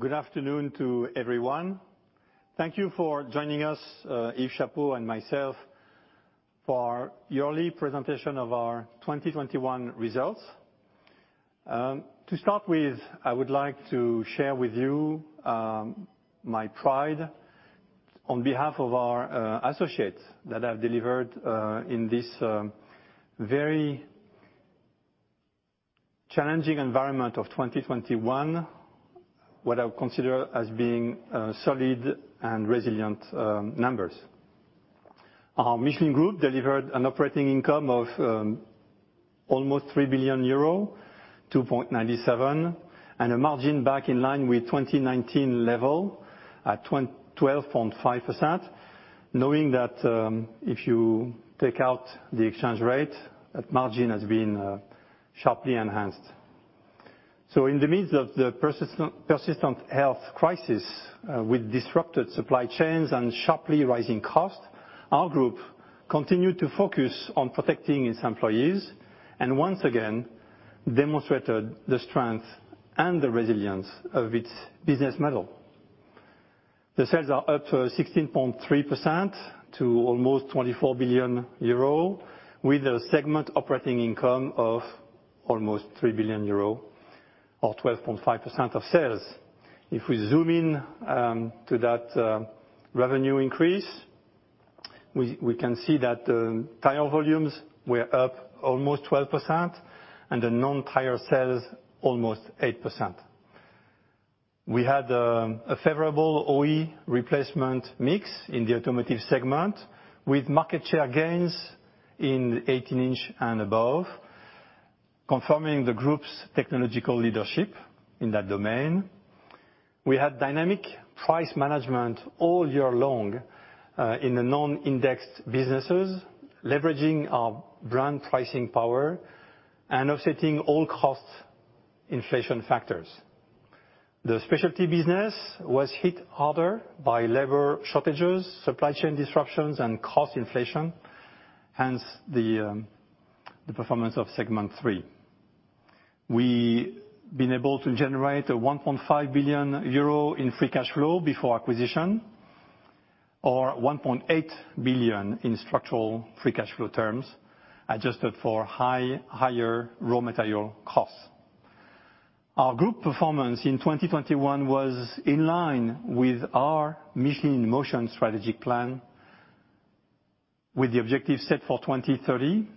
Good afternoon to everyone. Thank you for joining us, Yves Chapot and myself, for our yearly presentation of our 2021 results. To start with, I would like to share with you my pride on behalf of our associates that have delivered in this very challenging environment of 2021, what I would consider as being solid and resilient numbers. Our Michelin Group delivered an operating income of almost 3 billion euro, 2.97 billion, and a margin back in line with 2019 level at 12.5%. Knowing that, if you take out the exchange rate, that margin has been sharply enhanced. In the midst of the persistent health crisis, with disrupted supply chains and sharply rising costs, our group continued to focus on protecting its employees, and once again demonstrated the strength and the resilience of its business model. The sales are up 16.3% to almost 24 billion euro, with a segment operating income of almost 3 billion euro or 12.5% of sales. If we zoom in to that revenue increase, we can see that tire volumes were up almost 12% and the non-tire sales almost 8%. We had a favorable OE replacement mix in the automotive segment with market share gains in 18-inch and above, confirming the group's technological leadership in that domain. We had dynamic price management all year long in the non-indexed businesses, leveraging our brand pricing power and offsetting all cost inflation factors. The specialty business was hit harder by labor shortages, supply chain disruptions, and cost inflation, hence the performance of segment three. We been able to generate 1.5 billion euro in free cash flow before acquisition, or 1.8 billion in structural free cash flow terms, adjusted for higher raw material costs. Our group performance in 2021 was in line with our Michelin in Motion strategy plan, with the objective set for 2030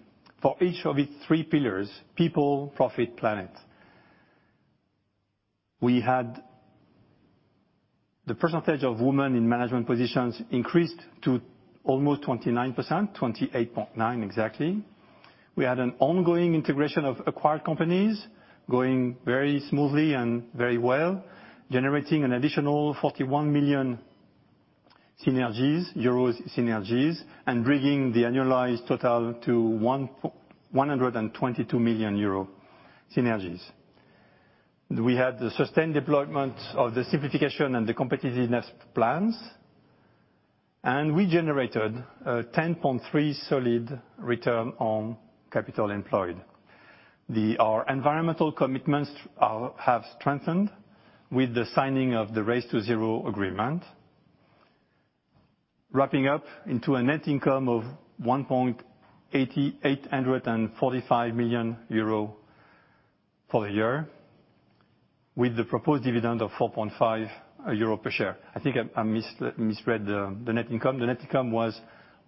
for each of its three pillars, people, profit, planet. We had the percentage of women in management positions increased to almost 29%, 28.9 exactly. We had an ongoing integration of acquired companies going very smoothly and very well, generating an additional 41 million synergies, euro synergies, and bringing the annualized total to 122 million euro synergies. We had the sustained deployment of the simplification and the competitiveness plans, and we generated a 10.3 solid return on capital employed. Our environmental commitments have strengthened with the signing of the Race to Zero agreement. Wrapping up into a net income of 1.845 billion euro for the year with the proposed dividend of 4.5 euro per share. I think I misread the net income. The net income was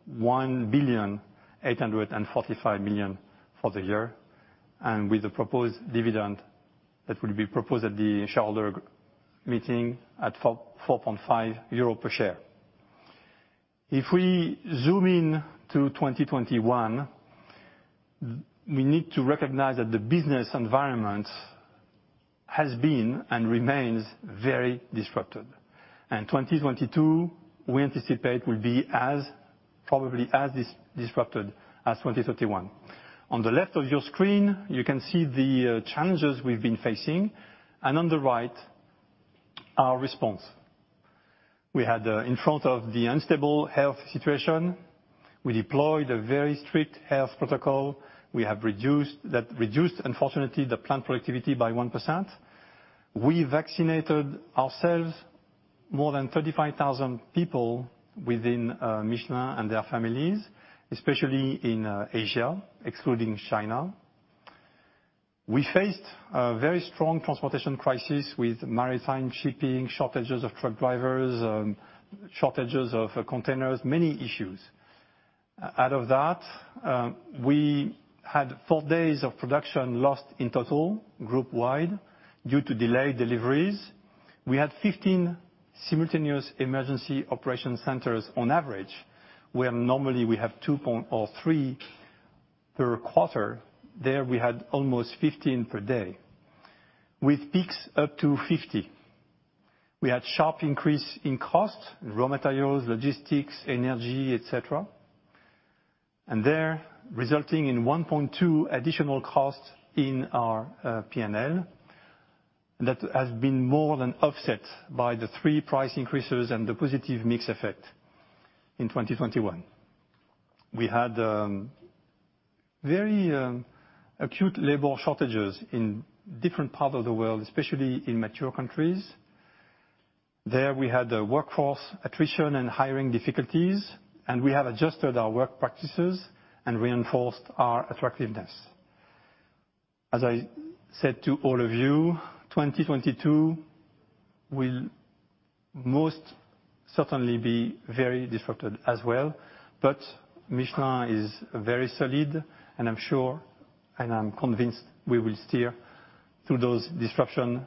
1.845 billion for the year, and with the proposed dividend that will be proposed at the shareholder meeting of 4.5 euro per share. If we zoom in to 2021, we need to recognize that the business environment has been and remains very disrupted. 2022, we anticipate will be as probably as disrupted as 2021. On the left of your screen, you can see the challenges we've been facing, and on the right, our response. In front of the unstable health situation, we deployed a very strict health protocol. We have reduced that, unfortunately, the plant productivity by 1%. We vaccinated ourselves more than 35,000 people within Michelin and their families, especially in Asia, excluding China. We faced a very strong transportation crisis with maritime shipping, shortages of truck drivers, shortages of containers, many issues. Out of that, we had four days of production lost in total group wide due to delayed deliveries. We had 15 simultaneous emergency operation centers on average, where normally we have two or three per quarter. There we had almost 15 per day, with peaks up to 50. We had sharp increase in costs, raw materials, logistics, energy, etc. That resulting in 1.2 additional costs in our P&L. That has been more than offset by the three price increases and the positive mix effect in 2021. We had very acute labor shortages in different parts of the world, especially in mature countries. There we had the workforce attrition and hiring difficulties, and we have adjusted our work practices and reinforced our attractiveness. As I said to all of you, 2022 will most certainly be very disrupted as well, but Michelin is very solid and I'm sure, and I'm convinced we will steer through those disruptions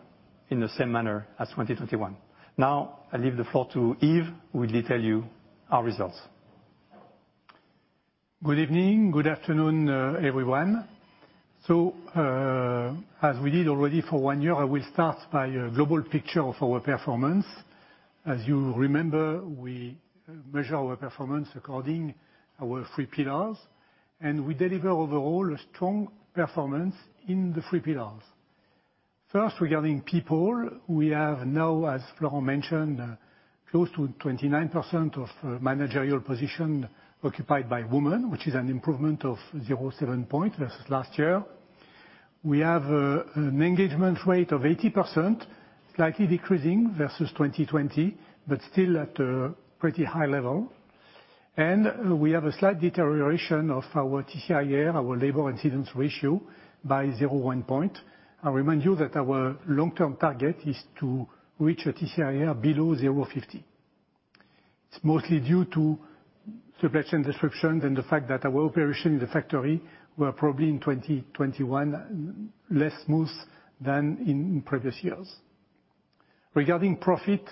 in the same manner as 2021. Now I leave the floor to Yves who will detail to you our results. Good evening. Good afternoon, everyone. As we did already for one year, I will start by a global picture of our performance. As you remember, we measure our performance according to our three pillars, and we deliver overall a strong performance in the three pillars. First, regarding people, we have now, as Florent mentioned, close to 29% of managerial position occupied by women, which is an improvement of 0.7 point versus last year. We have an engagement rate of 80%, slightly decreasing versus 2020, but still at a pretty high level. We have a slight deterioration of our TCIR, our labor incidence ratio by 0.1 point. I remind you that our long-term target is to reach a TCIR below 0.50. It's mostly due to supply chain disruptions and the fact that our operations in the factory were probably in 2021 less smooth than in previous years. Regarding profit,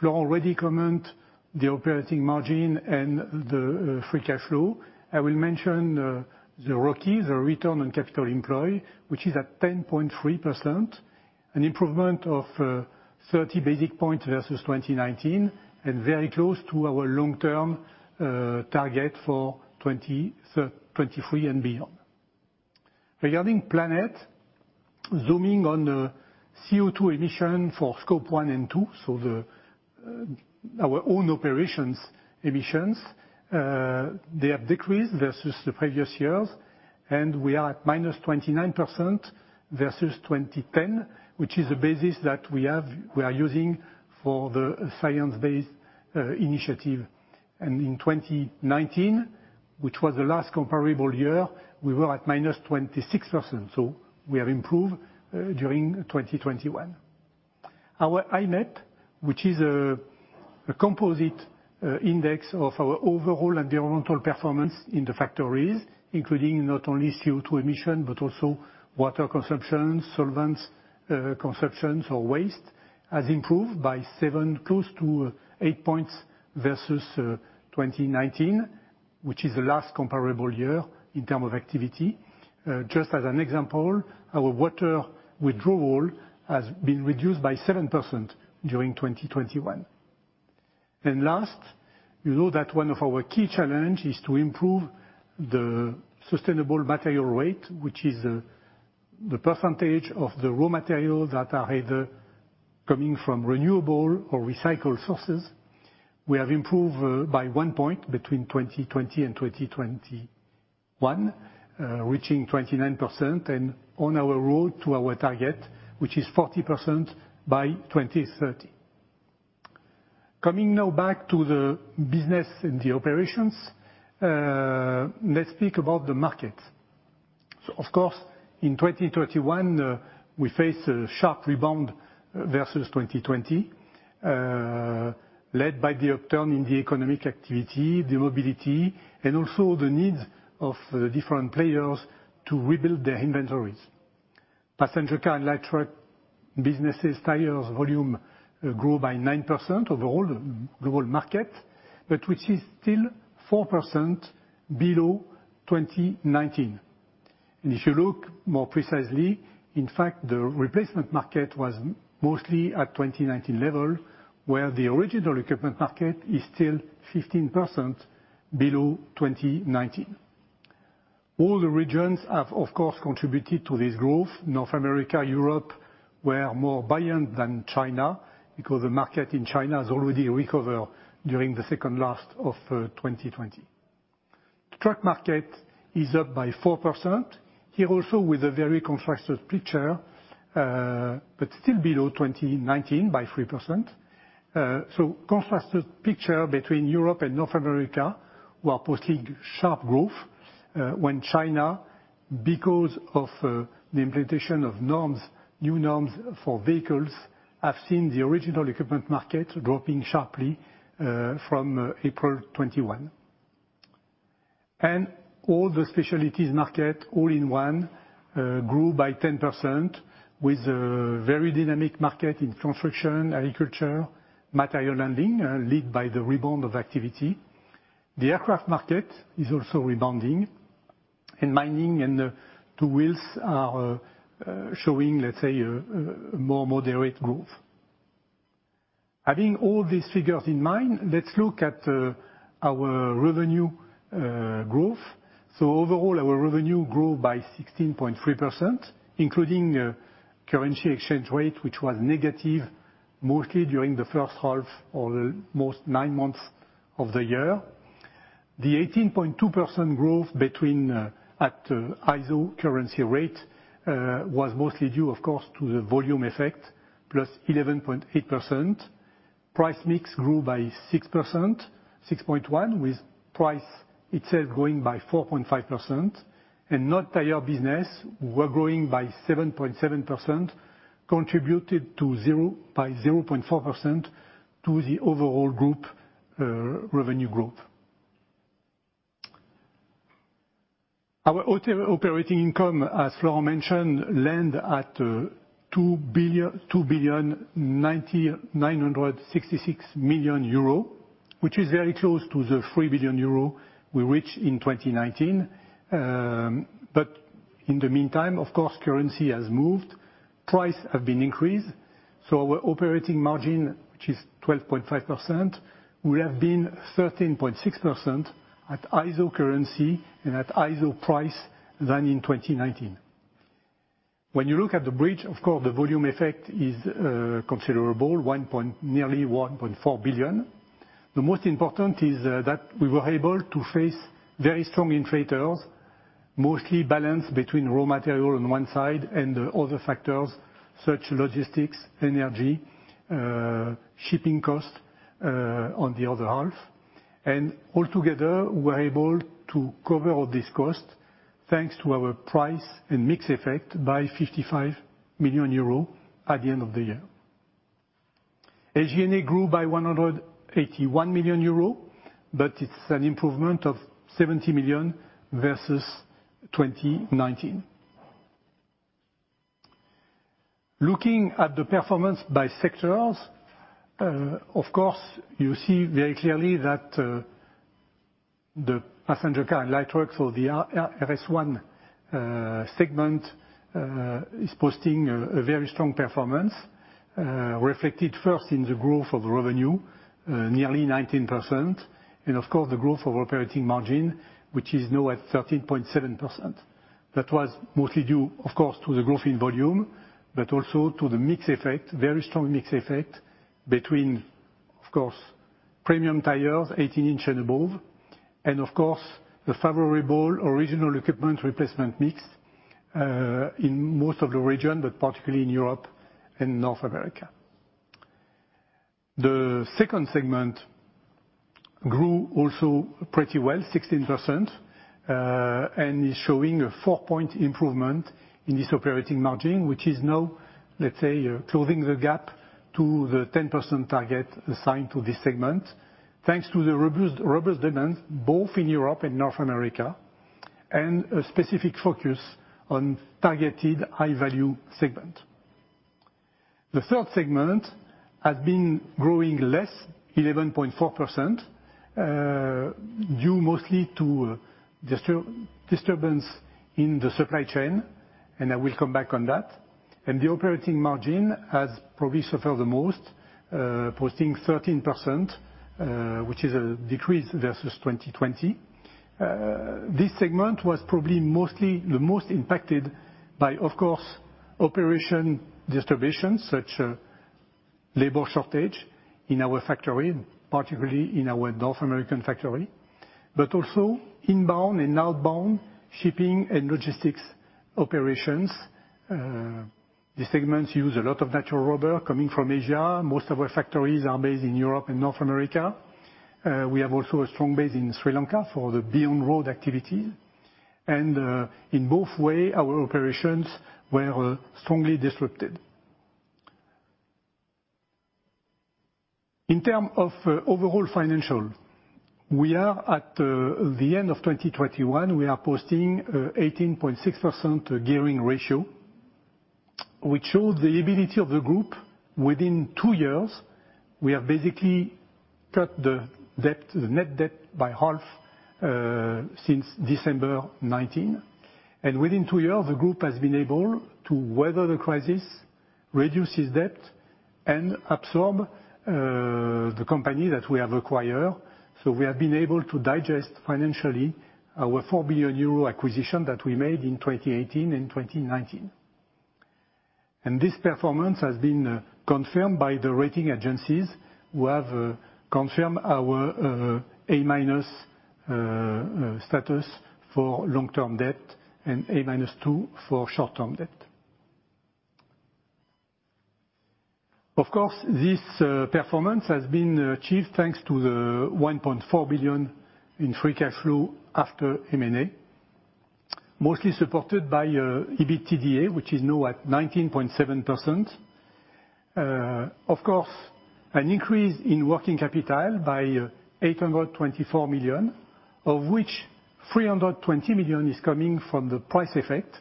Florent already commented on the operating margin and the free cash flow. I will mention the ROCE, the return on capital employed, which is at 10.3%, an improvement of 30 basis points versus 2019, and very close to our long-term target for 2023 and beyond. Regarding planet, zooming on the CO2 emissions for scope one and two, so our own operations emissions, they have decreased versus the previous years, and we are at -29% versus 2010, which is the basis that we have, we are using for the Science Based Targets initiative. In 2019, which was the last comparable year, we were at -26%, so we have improved during 2021. Our INET, which is a composite index of our overall environmental performance in the factories, including not only CO2 emission, but also water consumption, solvents, consumptions or waste, has improved by seven, close to eight points versus 2019, which is the last comparable year in terms of activity. Just as an example, our water withdrawal has been reduced by 7% during 2021. Last, you know that one of our key challenge is to improve the sustainable material rate, which is the percentage of the raw material that are either coming from renewable or recycled sources. We have improved by one point between 2020 and 2021, reaching 29%. On our road to our target, which is 40% by 2030. Coming now back to the business and the operations, let's speak about the market. Of course, in 2021, we face a sharp rebound versus 2020, led by the upturn in the economic activity, the mobility, and also the needs of the different players to rebuild their inventories. Passenger car and light truck businesses, tires, volume grow by 9% overall global market, but which is still 4% below 2019. If you look more precisely, in fact, the replacement market was mostly at 2019 level, where the original equipment market is still 15% below 2019. All the regions have, of course, contributed to this growth. North America, Europe were more buoyant than China because the market in China has already recovered during the H2 of 2020. Truck market is up by 4%. Here also with a very contrasted picture, but still below 2019 by 3%. Contrasted picture between Europe and North America, who are posting sharp growth, when China, because of the implementation of norms, new norms for vehicles, have seen the original equipment market dropping sharply, from April 2021. All the specialties market all-in-one grew by 10% with a very dynamic market in construction, agriculture, material handling, led by the rebound of activity. The aircraft market is also rebounding, and mining and two wheels are showing, let's say, a more moderate growth. Having all these figures in mind, let's look at our revenue growth. Overall, our revenue grew by 16.3%, including currency exchange rate, which was negative, mostly during the H1 or most nine months of the year. The 18.2% growth at constant currency rate was mostly due of course to the volume effect, plus 11.8%. Price mix grew by 6.1%, with price itself growing by 4.5%. Non-tire business was growing by 7.7%, contributed by 0.4% to the overall group revenue growth. Our operating income, as Florent mentioned, landed at 2,099.66 million euro. This is very close to the 3 billion euro we reached in 2019. In the meantime, of course, currency has moved, prices have been increased, so our operating margin, which is 12.5%, would have been 13.6% at constant currency and at constant price than in 2019. When you look at the bridge, of course, the volume effect is considerable. Nearly 1.4 billion. The most important is that we were able to face very strong inflation, mostly balanced between raw material on one side and other factors such as logistics, energy, shipping costs on the other half. Altogether, we're able to cover all these costs thanks to our price and mix effect by 55 million euro at the end of the year. SG&A grew by 181 million euro, but it's an improvement of 70 million versus 2019. Looking at the performance by sectors, of course, you see very clearly that the passenger car and light truck or the SR1 segment is posting a very strong performance. Reflected first in the growth of revenue nearly 19% and of course the growth of operating margin, which is now at 13.7%. That was mostly due, of course, to the growth in volume, but also to the mix effect, very strong mix effect between, of course, premium tires, 18-inch and above, and of course the favorable original equipment replacement mix in most of the region, but particularly in Europe and North America. The second segment grew also pretty well, 16%, and is showing a four-point improvement in this operating margin, which is now, let's say, closing the gap to the 10% target assigned to this segment. Thanks to the robust demand both in Europe and North America, and a specific focus on targeted high-value segment. The third segment has been growing less 11.4%, due mostly to disturbance in the supply chain, and I will come back on that. The operating margin has probably suffered the most, posting 13%, which is a decrease versus 2020. This segment was probably the most impacted by, of course, operational disruptions such as labor shortage in our factory, particularly in our North American factory, but also inbound and outbound shipping and logistics operations. The segments use a lot of natural rubber coming from Asia. Most of our factories are based in Europe and North America. We have also a strong base in Sri Lanka for the Beyond Road activity. In both ways, our operations were strongly disrupted. In terms of overall financials, we are at the end of 2021. We are posting an 18.6% gearing ratio, which shows the ability of the group. Within two years, we have basically cut the debt, the net debt, by half since December 2019. Within two years, the group has been able to weather the crisis, reduce its debt, and absorb the company that we have acquired. We have been able to digest financially our 4 billion euro acquisition that we made in 2018 and 2019. This performance has been confirmed by the rating agencies, who have confirmed our A minus status for long-term debt and A minus two for short-term debt. Of course, this performance has been achieved thanks to the 1.4 billion in free cash flow after M&A, mostly supported by EBITDA, which is now at 19.7%. Of course, an increase in working capital by 824 million, of which 320 million is coming from the price effect.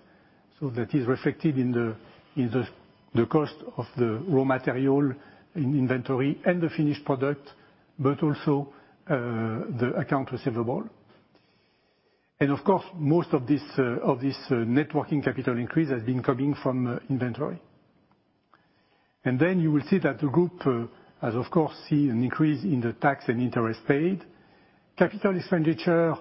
That is reflected in the cost of the raw material in inventory and the finished product, but also the accounts receivable. Of course, most of this working capital increase has been coming from inventory. You will see that the group has, of course, seen an increase in the tax and interest paid. Capital expenditure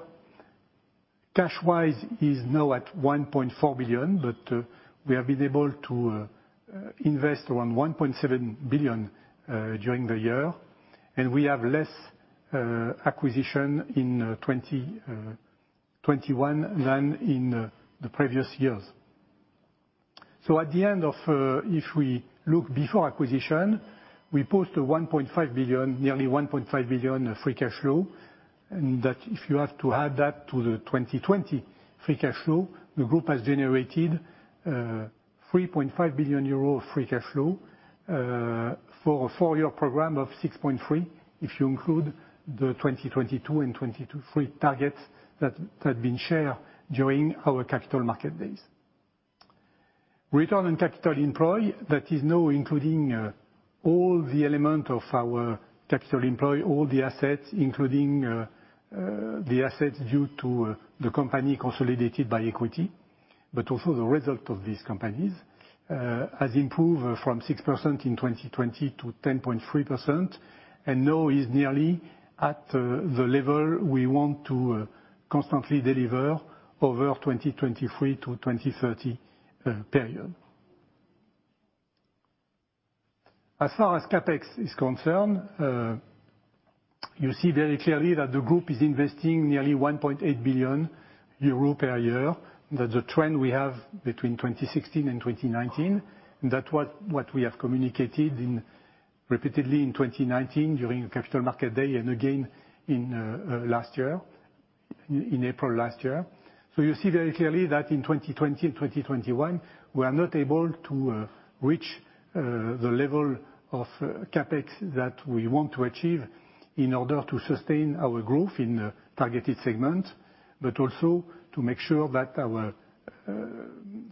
cash-wise is now at 1.4 billion, but we have been able to invest around 1.7 billion during the year, and we have less acquisition in 2021 than in the previous years. If we look before acquisition, we post a 1.5 billion, nearly 1.5 billion free cash flow, and that if you have to add that to the 2020 free cash flow, the group has generated 3.5 billion euro free cash flow for a four-year program of 6.3, if you include the 2022 and 2022 free targets that had been shared during our Capital Market Days. Return on capital employed that is now including all the elements of our capital employed, all the assets, including the assets of the companies consolidated by equity. The results of these companies has improved from 6% in 2020 to 10.3%, and now is nearly at the level we want to constantly deliver over 2023-2030 period. As far as CapEx is concerned, you see very clearly that the group is investing nearly 1.8 billion euro per year. That's the trend we have between 2016 and 2019, that's what we have communicated repeatedly in 2019 during Capital Market Day and again in last year, in April last year. You see very clearly that in 2020 and 2021, we are not able to reach the level of CapEx that we want to achieve in order to sustain our growth in targeted segments, but also to make sure that our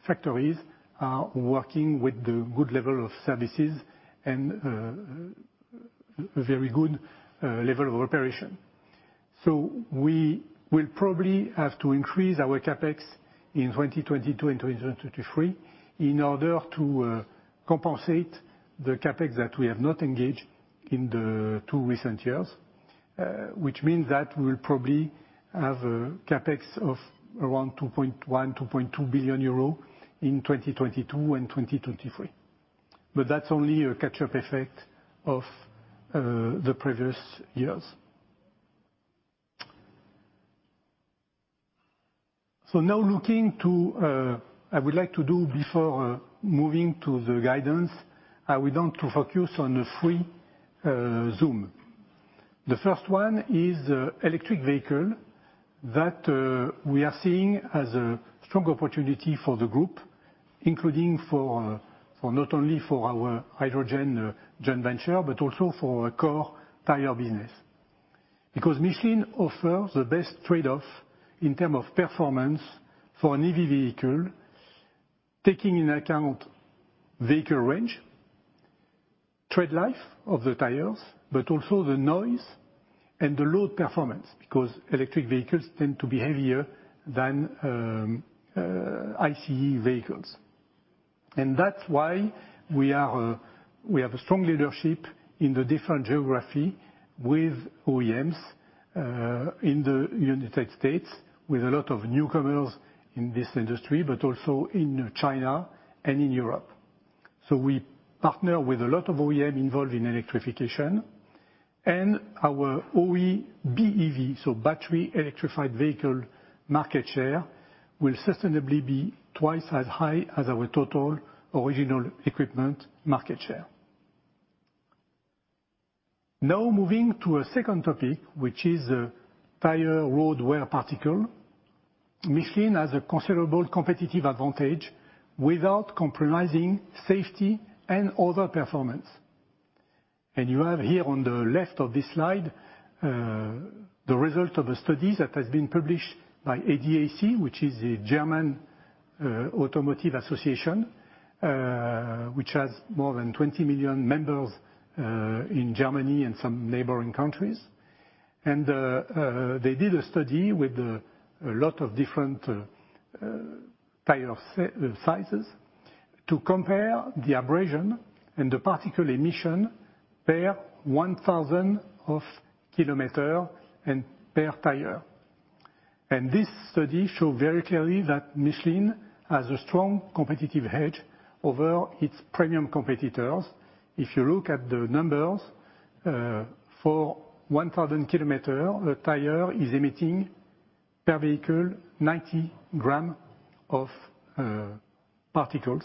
factories are working with the good level of services and very good level of operation. We will probably have to increase our CapEx in 2022 and 2023 in order to compensate the CapEx that we have not engaged in the two recent years. Which means that we'll probably have a CapEx of around 2.1 billion-2.2 billion euro in 2022 and 2023. That's only a catch-up effect of the previous years. Before moving to the guidance, I want to focus on the three themes. The first one is the electric vehicle that we are seeing as a strong opportunity for the group, including not only for our hydrogen joint venture, but also for our core tire business. Because Michelin offers the best trade-off in terms of performance for an EV vehicle, taking into account vehicle range, tread life of the tires, but also the noise and the load performance, because electric vehicles tend to be heavier than ICE vehicles. That's why we have a strong leadership in the different geographies with OEMs in the United States, with a lot of newcomers in this industry, but also in China and in Europe. We partner with a lot of OEM involved in electrification and our OE BEV, so battery electrified vehicle market share, will sustainably be twice as high as our total original equipment market share. Now moving to a second topic, which is tire road wear particle. Michelin has a considerable competitive advantage without compromising safety and other performance. You have here on the left of this slide, the result of a study that has been published by ADAC, which is a German automotive association, which has more than 20 million members in Germany and some neighboring countries. They did a study with a lot of different tire sizes to compare the abrasion and the particle emission per 1,000 km and per tire. This study showed very clearly that Michelin has a strong competitive edge over its premium competitors. If you look at the numbers, for 1,000 km, the tire is emitting per vehicle 90 grams of particles,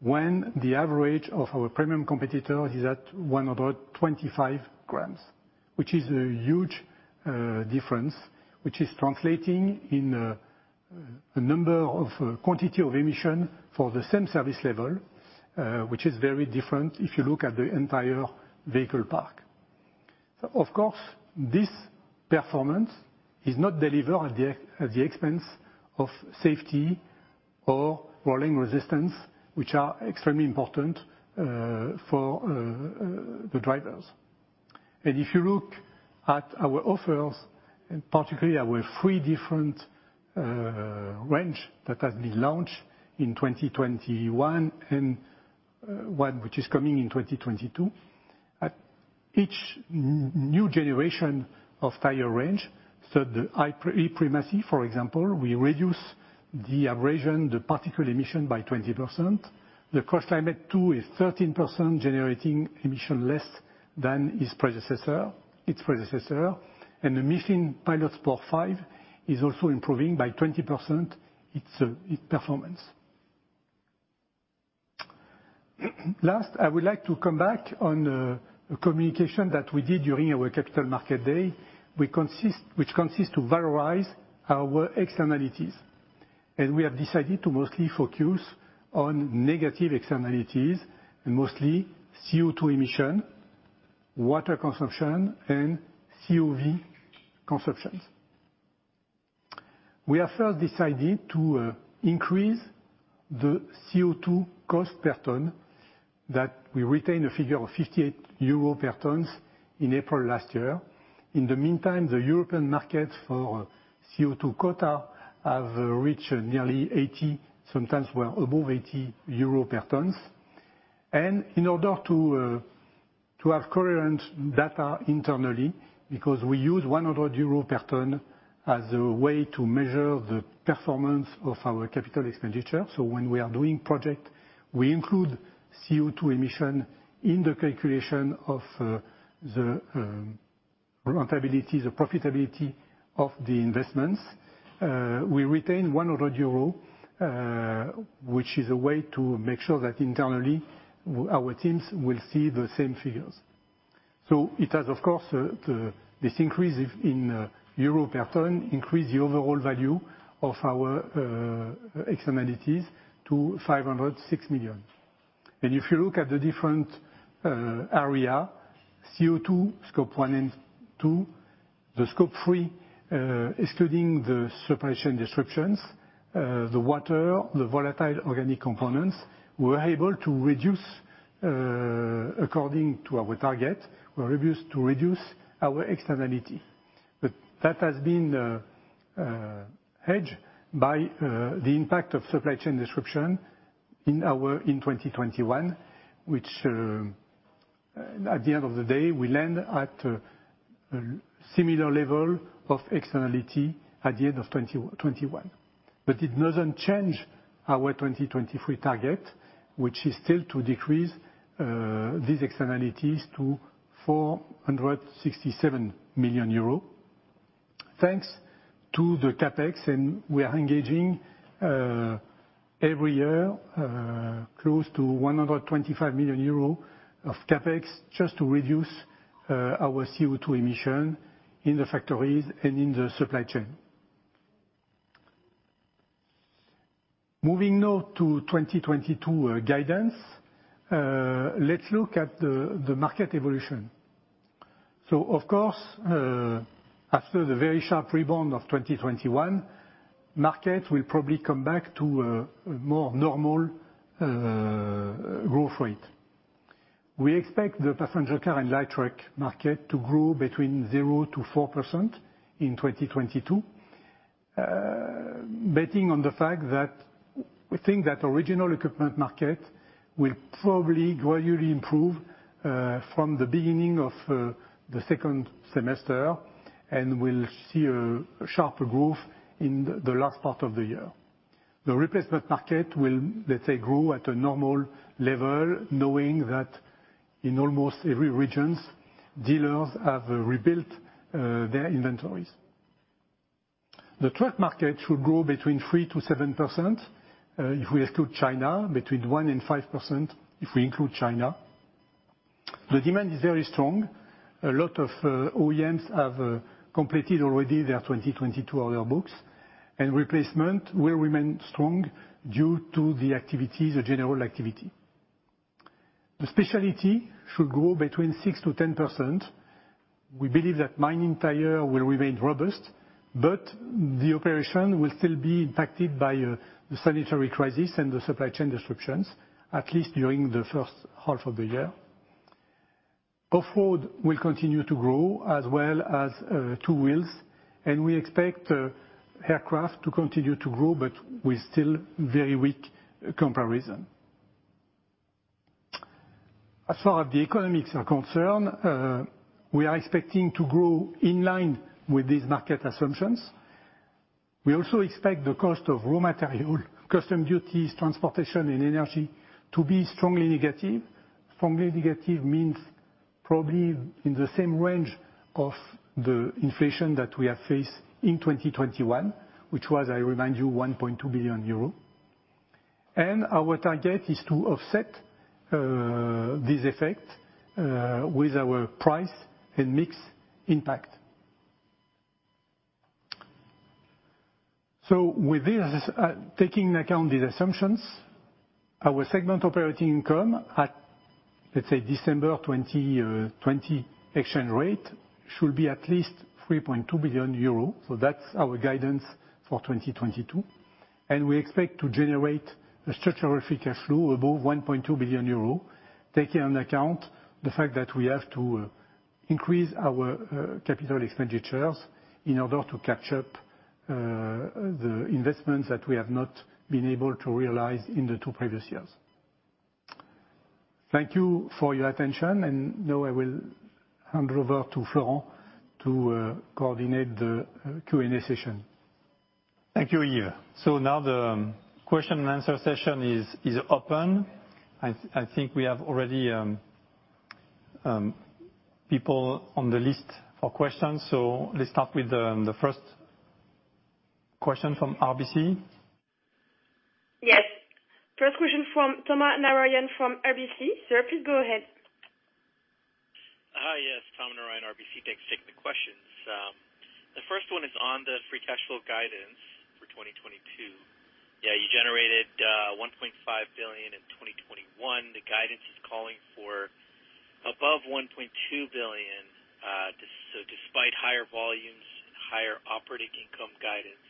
when the average of our premium competitor is at 125 grams, which is a huge difference, which is translating in a number of quantity of emission for the same service level, which is very different if you look at the entire vehicle park. Of course, this performance is not delivered at the expense of safety or rolling resistance, which are extremely important for the drivers. If you look at our offers, and particularly our three different range that has been launched in 2021 and one which is coming in 2022. Each new generation of tire range, so the e.PRIMACY, for example, we reduce the abrasion, the particle emission by 20%. The CrossClimate 2 is 13% generating emissions less than its predecessor. The MICHELIN Pilot Sport 5 is also improving by 20% its performance. Last, I would like to come back on communication that we did during our Capital Market Day. Which consists to valorize our externalities. We have decided to mostly focus on negative externalities, mostly CO₂ emissions, water consumption, and VOC consumption. We have first decided to increase the CO₂ cost per ton, that we retain a figure of 58 euro per ton in April last year. In the meantime, the European market for CO₂ quota have reached nearly 80, sometimes were above 80 euro per ton. In order to have coherent data internally, because we use 100 euro per ton as a way to measure the performance of our capital expenditure. When we are doing project, we include CO₂ emission in the calculation of the profitability of the investments. We retain 100 euro, which is a way to make sure that internally our teams will see the same figures. It has, of course, this increase in euro per ton increase the overall value of our externalities to 506 million. If you look at the different area, CO₂, Scope 1 and 2, the Scope 3, excluding the supply chain disruptions, the water, the volatile organic compounds, we were able to reduce according to our target, we were able to reduce our externality. That has been hedged by the impact of supply chain disruption in 2021, which, at the end of the day, we land at a similar level of externality at the end of 2021. It doesn't change our 2023 target, which is still to decrease these externalities to 467 million euro. Thanks to the CapEx, and we are engaging every year close to 125 million euro of CapEx just to reduce our CO₂ emission in the factories and in the supply chain. Moving now to 2022 guidance, let's look at the market evolution. Of course, after the very sharp rebound of 2021, markets will probably come back to a more normal growth rate. We expect the passenger car and light truck market to grow between 0%-4% in 2022. Betting on the fact that we think that original equipment market will probably gradually improve from the beginning of the second semester, and will see a sharper growth in the last part of the year. The replacement market will, let's say, grow at a normal level, knowing that in almost every regions, dealers have rebuilt their inventories. The truck market should grow between 3%-7%, if we exclude China, between 1%-5%, if we include China. The demand is very strong. A lot of OEMs have completed already their 2022 order books. Replacement will remain strong due to the activity, the general activity. The specialty should grow between 6%-10%. We believe that mining tire will remain robust, but the operation will still be impacted by the sanitary crisis and the supply chain disruptions, at least during the H1 of the year. Off-road will continue to grow as well as two wheels. We expect aircraft to continue to grow, but with still very weak comparison. As far as the economics are concerned, we are expecting to grow in line with these market assumptions. We also expect the cost of raw material, customs duties, transportation, and energy to be strongly negative. Strongly negative means probably in the same range of the inflation that we have faced in 2021, which was, I remind you, 1.2 billion euro. Our target is to offset this effect with our price and mix impact. With this, taking into account these assumptions, our segment operating income at, let's say, December 2020 exchange rate should be at least 3.2 billion euro. That's our guidance for 2022, and we expect to generate a structural free cash flow above 1.2 billion euros, taking into account the fact that we have to increase our capital expenditures in order to catch up on the investments that we have not been able to realize in the two previous years. Thank you for your attention, and now I will hand over to Florent to coordinate the Q&A session. Thank you, Yves. Now the question and answer session is open. I think we have already people on the list for questions. Let's start with the first question from RBC. Yes. First question from Tom Narayan from RBC. Sir, please go ahead. Hi. Yes, Tom Narayan, RBC. Thanks. Technical questions. The first one is on the free cash flow guidance for 2022. Yeah, you generated 1.5 billion in 2021. The guidance is calling for above 1.2 billion, so despite higher volumes and higher operating income guidance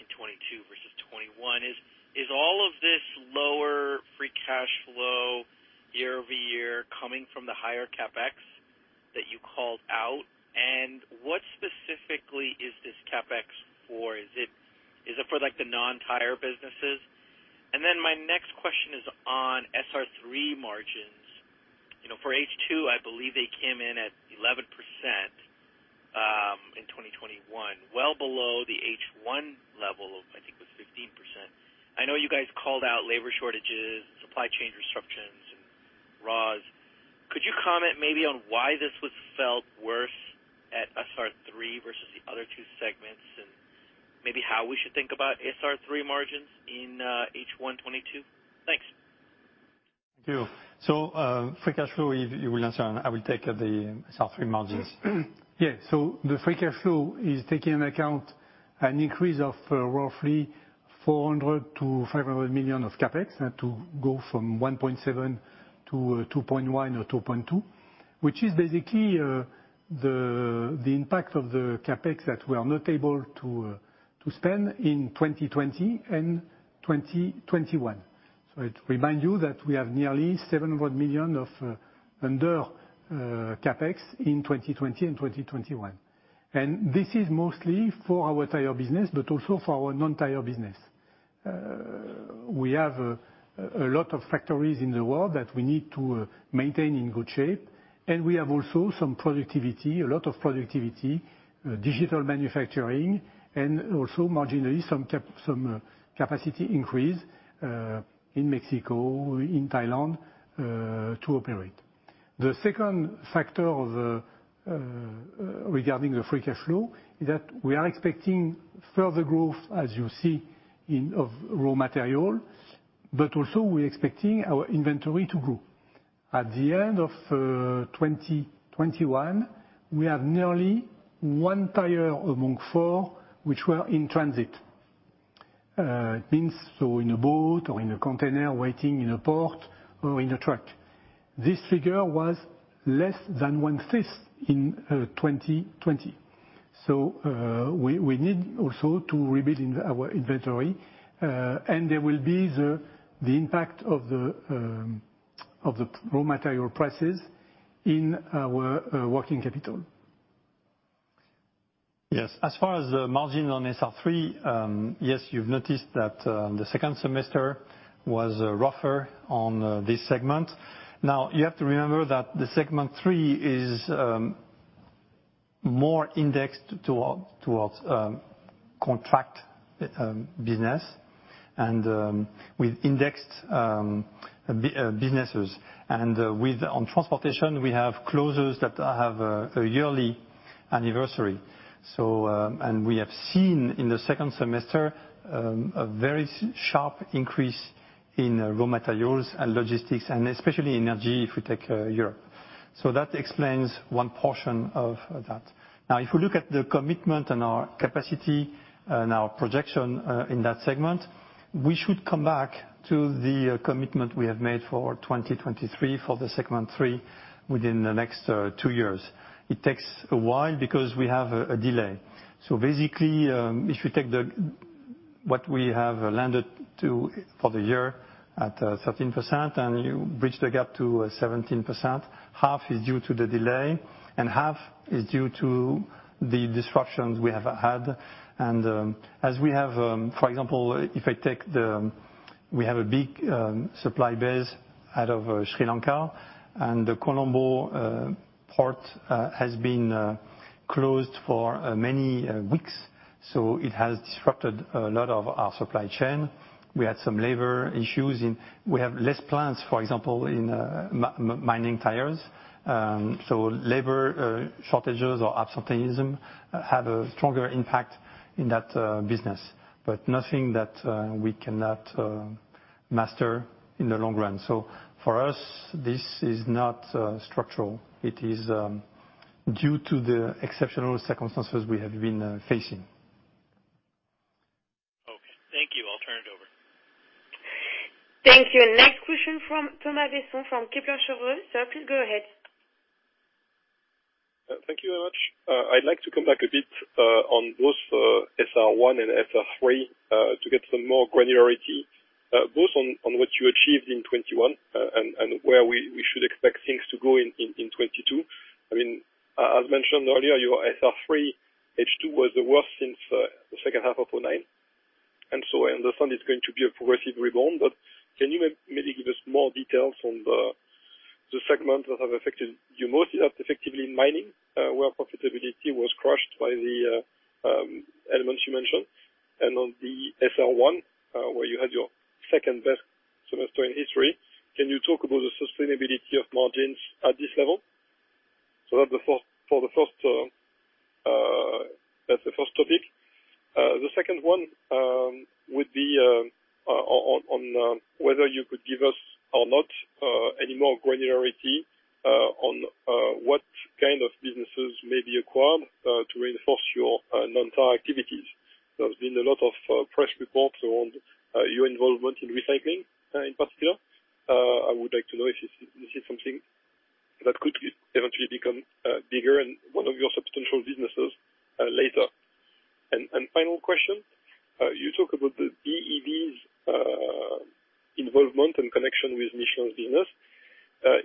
in 2022 versus 2021. Is all of this lower free cash flow year-over-year coming from the higher CapEx that you called out? And what specifically is this CapEx for? Is it for, like, the non-tire businesses? And then my next question is on SR3 margins. You know, for H2, I believe they came in at 11% in 2021, well below the H1 level of I think it was 15%. I know you guys called out labor shortages, supply chain disruptions and raws. Could you comment maybe on why this was felt worse at SR3 versus the other two segments, and maybe how we should think about SR3 margins in H1 2022? Thanks. Thank you. Free cash flow, Yves, you will answer and I will take the SR3 margins. Sure. Yeah. The free cash flow is taking into account an increase of roughly 400 million-500 million of CapEx, to go from 1.7 billion to 2.1 billion or 2.2 billion, which is basically the impact of the CapEx that we are not able to spend in 2020 and 2021. To remind you that we have nearly 700 million of unspent CapEx in 2020 and 2021. This is mostly for our tire business, but also for our non-tire business. We have a lot of factories in the world that we need to maintain in good shape, and we have also some productivity, a lot of productivity, digital manufacturing and also marginally some capacity increase in Mexico, in Thailand, to operate. The second factor regarding the free cash flow is that we are expecting further growth of raw material, but also we're expecting our inventory to grow. At the end of 2021, we have nearly one tire among four which were in transit. It means in a boat or in a container waiting in a port or in a truck. This figure was less than one-fifth in 2020. We need also to rebuild our inventory, and there will be the impact of the raw material prices in our working capital. Yes. As far as the margin on SR3, yes, you've noticed that the second semester was rougher on this segment. Now, you have to remember that segment three is more indexed towards contract business and with indexed businesses, and on transportation we have clauses that have a yearly anniversary. We have seen in the second semester a very sharp increase in raw materials and logistics, and especially energy if we take Europe. So that explains one portion of that. Now, if you look at the commitment and our capacity and our projection in that segment, we should come back to the commitment we have made for 2023 for segment three within the next two years. It takes a while because we have a delay. Basically, if you take what we have landed to for the year at 13%, and you bridge the gap to 17%, half is due to the delay and half is due to the disruptions we have had. For example, we have a big supply base out of Sri Lanka, and the Colombo port has been closed for many weeks, so it has disrupted a lot of our supply chain. We had some labor issues. We have less plants, for example, in mining tires. Labor shortages or absenteeism have a stronger impact in that business, but nothing that we cannot master in the long run. For us, this is not structural. It is due to the exceptional circumstances we have been facing. Okay. Thank you. I'll turn it over. Thank you. Next question from Thomas Besson from Kepler Cheuvreux. Sir, please go ahead. Thank you very much. I'd like to come back a bit on both SR1 and SR3 to get some more granularity both on what you achieved in 2021 and where we should expect things to go in 2022. I mean, as mentioned earlier, your SR3 H2 was the worst since the H2 of 2009. I understand it's going to be a progressive rebound. Can you maybe give us more details on the segments that have affected you mostly, effectively in mining, where profitability was crushed by the elements you mentioned? On the SR1, where you had your second-best semester in history, can you talk about the sustainability of margins at this level? That's the first topic. The second one would be on whether you could give us or not any more granularity on what kind of businesses may be acquired to reinforce your non-tire activities. There's been a lot of press reports around your involvement in recycling in particular. I would like to know if this is something that could eventually become bigger and one of your substantial businesses later. Final question, you talk about the BEVs involvement in connection with Michelin's business.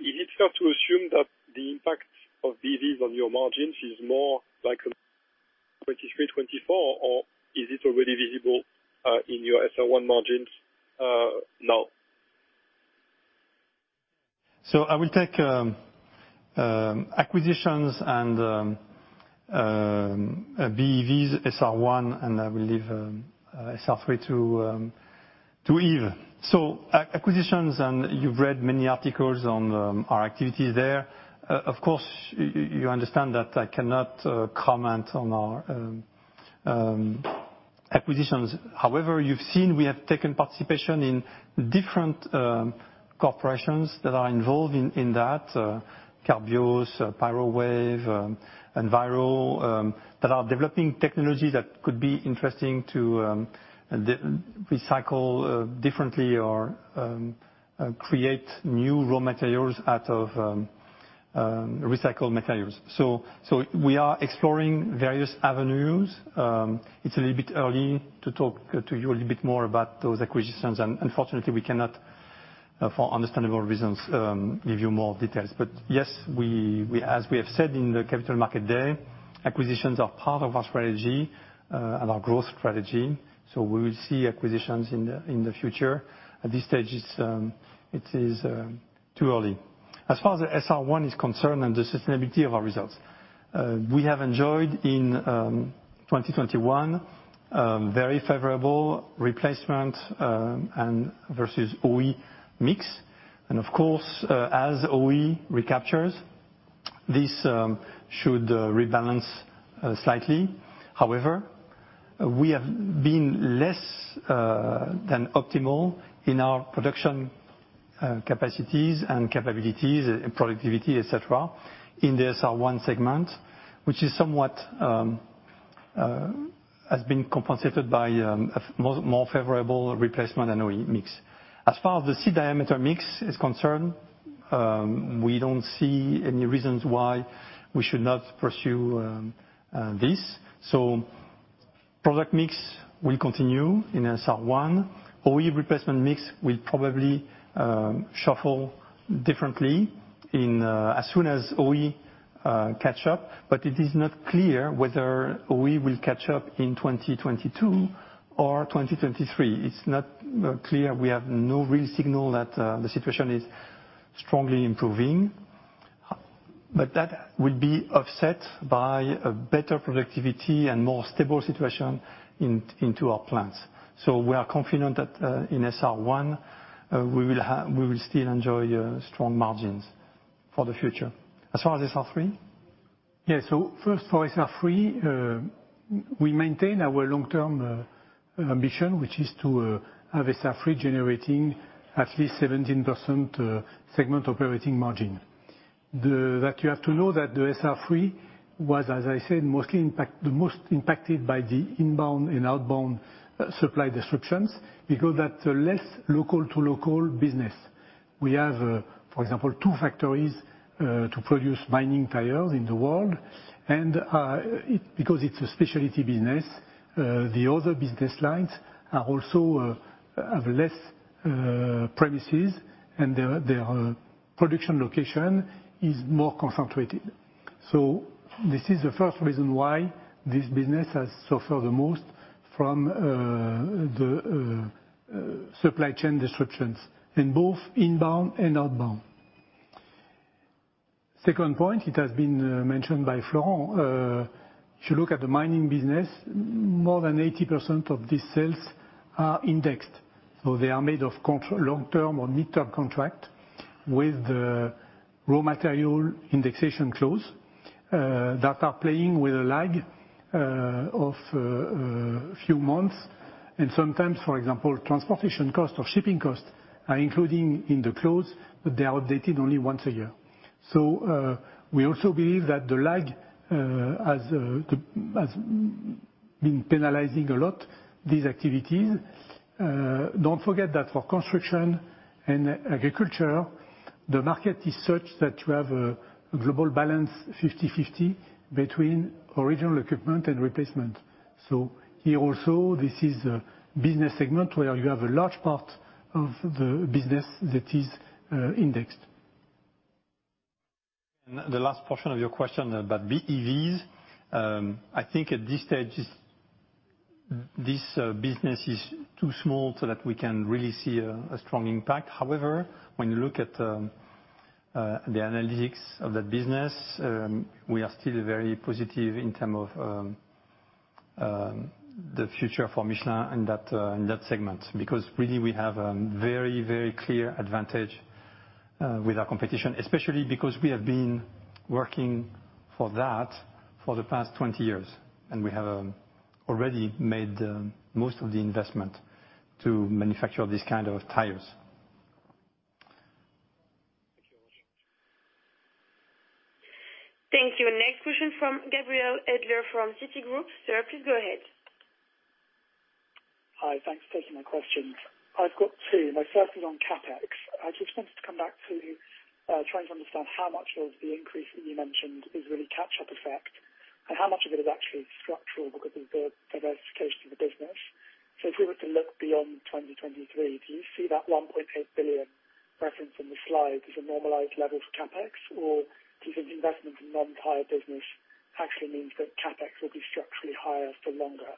Is it fair to assume that the impact of BEVs on your margins is more like 2023, 2024, or is it already visible in your SR1 margins now? I will take acquisitions and BEVs, SR1, and I will leave SR3 to Yves. Acquisitions, and you've read many articles on our activities there. Of course, you understand that I cannot comment on our acquisitions. However, you've seen we have taken participation in different corporations that are involved in that Carbios, Pyrowave, Enviro that are developing technology that could be interesting to recycle differently or create new raw materials out of recycled materials. We are exploring various avenues. It's a little bit early to talk to you a little bit more about those acquisitions, and unfortunately, we cannot for understandable reasons give you more details. Yes, we, as we have said in the Capital Market Day, acquisitions are part of our strategy and our growth strategy, so we will see acquisitions in the future. At this stage, it is too early. As far as the SR1 is concerned and the sustainability of our results, we have enjoyed in 2021 very favorable replacement and versus OE mix. Of course, as OE recaptures, this should rebalance slightly. However, we have been less than optimal in our production capacities and capabilities and productivity, et cetera, in the SR1 segment, which is somewhat has been compensated by a more favorable replacement and OE mix. As far as the C diameter mix is concerned, we don't see any reasons why we should not pursue this. Product mix will continue in SR1. OE replacement mix will probably shuffle differently in as soon as OE catch up, but it is not clear whether OE will catch up in 2022 or 2023. It's not clear. We have no real signal that the situation is strongly improving. That will be offset by a better productivity and more stable situation in our plans. We are confident that in SR1 we will still enjoy strong margins for the future. As far as SR3? Yeah. First, for SR3, we maintain our long-term ambition, which is to have SR3 generating at least 17% segment operating margin. That you have to know that the SR3 was, as I said, the most impacted by the inbound and outbound supply disruptions because that's a less local-to-local business. We have, for example, two factories to produce mining tires in the world, and because it's a specialty business, the other business lines also have less premises, and their production location is more concentrated. This is the first reason why this business has suffered the most from the supply chain disruptions in both inbound and outbound. Second point, it has been mentioned by Florent. If you look at the mining business, more than 80% of these sales are indexed, so they are made of long-term or mid-term contract with the raw material indexation clause that are playing with a lag of a few months. Sometimes, for example, transportation costs or shipping costs are including in the clause, but they are updated only once a year. We also believe that the lag has been penalizing a lot these activities. Don't forget that for construction and agriculture, the market is such that you have a global balance 50/50 between original equipment and replacement. Here also, this is a business segment where you have a large part of the business that is indexed. The last portion of your question about BEVs, I think at this stage, this business is too small so that we can really see a strong impact. However, when you look at the analytics of the business, we are still very positive in terms of the future for Michelin in that segment, because really, we have a very clear advantage with our competition, especially because we have been working for that for the past 20 years, and we have already made most of the investment to manufacture this kind of tires. Thank you very much. Thank you. Next question from Gabriel Adler from Citigroup. Sir, please go ahead. Hi. Thanks for taking my questions. I've got two. My first is on CapEx. I just wanted to come back to trying to understand how much of the increase that you mentioned is really catch-up effect and how much of it is actually structural because of the diversification of the business. If we were to look beyond 2023, do you see that 1.8 billion referenced in the slide as a normalized level for CapEx, or do you think the investment in non-tire business actually means that CapEx will be structurally higher for longer?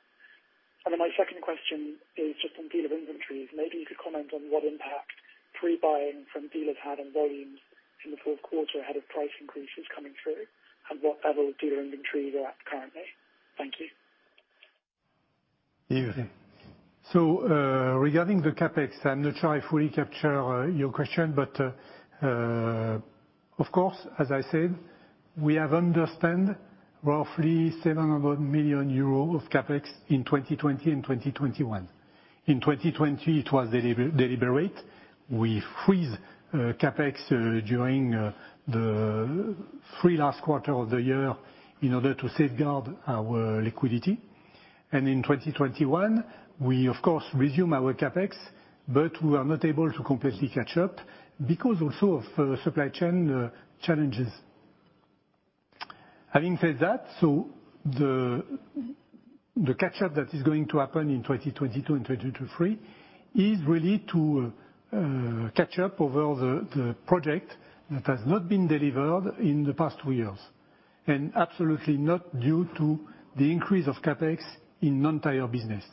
My second question is just on dealer inventories. Maybe you could comment on what impact pre-buying from dealers had on volumes in the Q4 ahead of price increases coming through, and what level of dealer inventory you're at currently. Thank you. Yeah. Regarding the CapEx, I'm not sure I fully capture your question, but of course, as I said, we understand roughly 700 million euros of CapEx in 2020 and 2021. In 2020, it was deliberate. We froze CapEx during the last three quarters of the year in order to safeguard our liquidity. In 2021, we of course resumed our CapEx, but we were not able to completely catch up because also of supply chain challenges. Having said that, the catch-up that is going to happen in 2022 and 2023 is really to catch up on the projects that have not been delivered in the past two years, and absolutely not due to the increase of CapEx in non-tire business.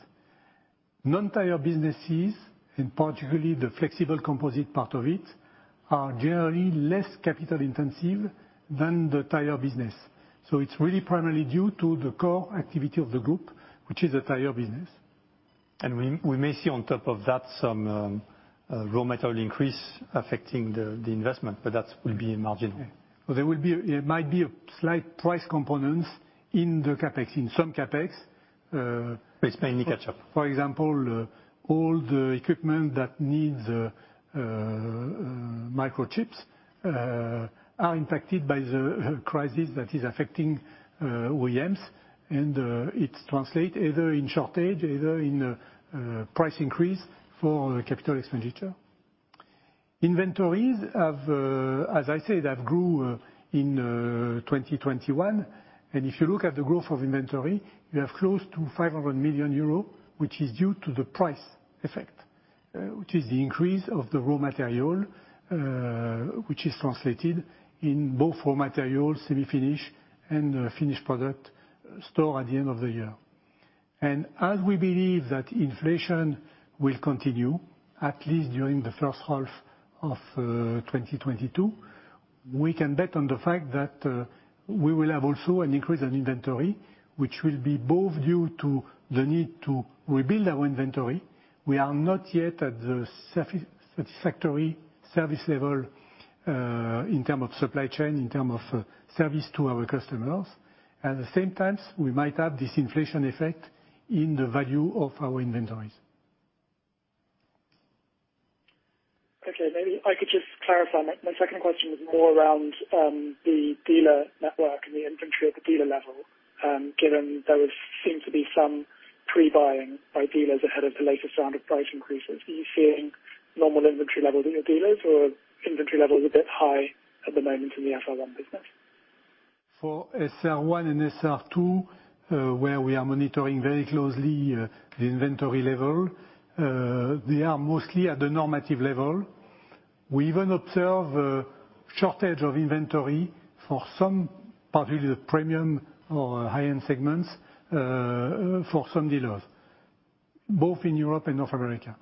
Non-tire businesses, and particularly the flexible composite part of it, are generally less capital-intensive than the tire business. It's really primarily due to the core activity of the group, which is the tire business. We may see on top of that some raw material increase affecting the investment, but that will be marginal. It might be a slight price components in some CapEx. It's mainly catch-up. For example, all the equipment that needs microchips are impacted by the crisis that is affecting OEMs, and it translate either in shortage, either in price increase for capital expenditure. Inventories have, as I said, have grew in 2021, and if you look at the growth of inventory, you have close to 500 million euros, which is due to the price effect, which is the increase of the raw material, which is translated in both raw material, semi-finish, and finished product store at the end of the year. As we believe that inflation will continue, at least during the H1 of 2022, we can bet on the fact that we will have also an increase in inventory, which will be both due to the need to rebuild our inventory. We are not yet at the satisfactory service level in terms of supply chain, in terms of service to our customers, and at the same time we might have this inflation effect in the value of our inventories. Okay, maybe I could just clarify. My second question was more around the dealer network and the inventory at the dealer level, given there would seem to be some pre-buying by dealers ahead of the latest round of price increases. Are you seeing normal inventory levels at your dealers, or are inventory levels a bit high at the moment in the FR1 business? For SR1 and SR2, where we are monitoring very closely, the inventory level, they are mostly at the normative level. We even observe a shortage of inventory for some, particularly the premium or high-end segments, for some dealers, both in Europe and North America.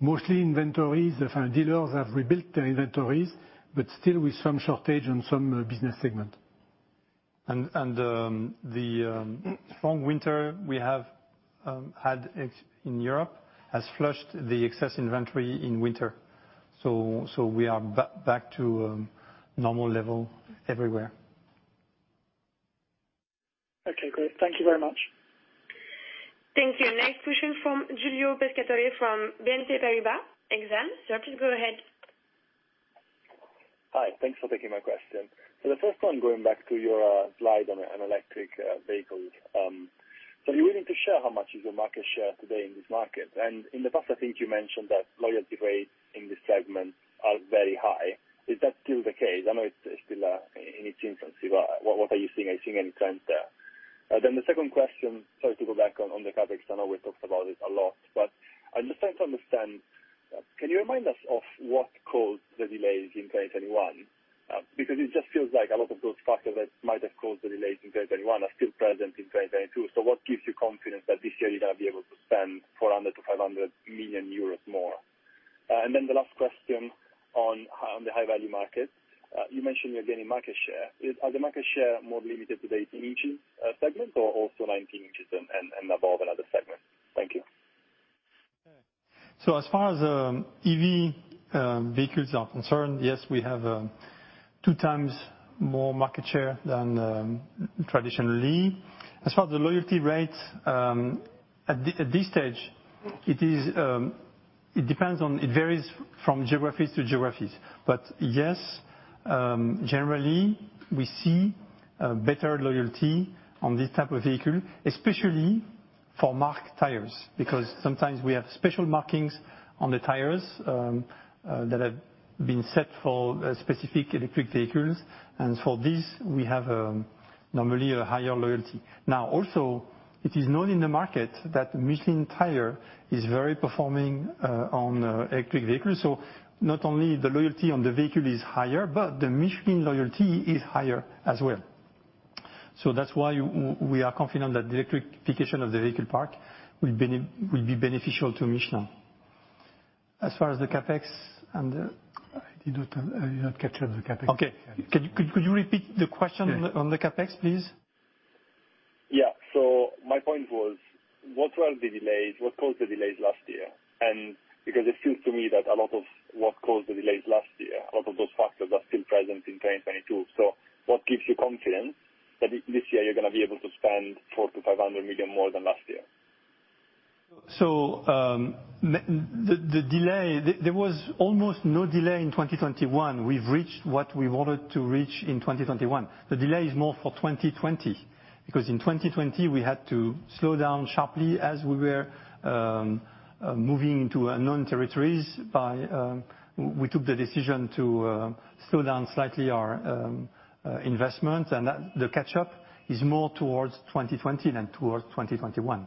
Mostly inventories, the dealers have rebuilt their inventories but still with some shortage on some business segment. The strong winter we have had in Europe has flushed the excess inventory in winter. We are back to normal level everywhere. Okay, great. Thank you very much. Thank you. Next question from Giulio Pescatore from BNP Paribas Exane. Sir, please go ahead. Hi. Thanks for taking my question. The first one, going back to your slide on electric vehicles. Are you willing to share how much is your market share today in this market? And in the past, I think you mentioned that loyalty rates in this segment are very high. Is that still the case? I know it's still in its infancy, but what are you seeing? Are you seeing any trends there? Then the second question, sorry to go back on the CapEx. I know we've talked about it a lot, but I'm just trying to understand. Can you remind us of what caused the delays in 2021? Because it just feels like a lot of those factors that might have caused the delays in 2021 are still present in 2022. What gives you confidence that this year you're gonna be able to spend 400 million-500 million euros more? Then the last question on the high value market. You mentioned you're gaining market share. Is the market share more limited to the 18-inch segment or also 19 inches and above another segment? Thank you. As far as EV vehicles are concerned, yes, we have two times more market share than traditionally. As far as the loyalty rate, at this stage, it is. It depends on. It varies from geographies to geographies. Yes, generally we see better loyalty on this type of vehicle, especially for marked tires, because sometimes we have special markings on the tires that have been set for specific electric vehicles. For this, we have normally a higher loyalty. Now, also, it is known in the market that Michelin tire is very performing on electric vehicles. Not only the loyalty on the vehicle is higher, but the Michelin loyalty is higher as well. That's why we are confident that the electrification of the vehicle park will be beneficial to Michelin. As far as the CapEx and I did not capture the CapEx. Okay. Could you repeat the question on the CapEx, please? Yeah. My point was, what were the delays? What caused the delays last year? Because it seems to me that a lot of what caused the delays last year, a lot of those factors are still present in 2022. What gives you confidence that this year you're gonna be able to spend 400 million-500 million more than last year? The delay, there was almost no delay in 2021. We've reached what we wanted to reach in 2021. The delay is more for 2020, because in 2020 we had to slow down sharply as we were moving to unknown territories, we took the decision to slow down slightly our investment. That the catch-up is more towards 2020 than towards 2021.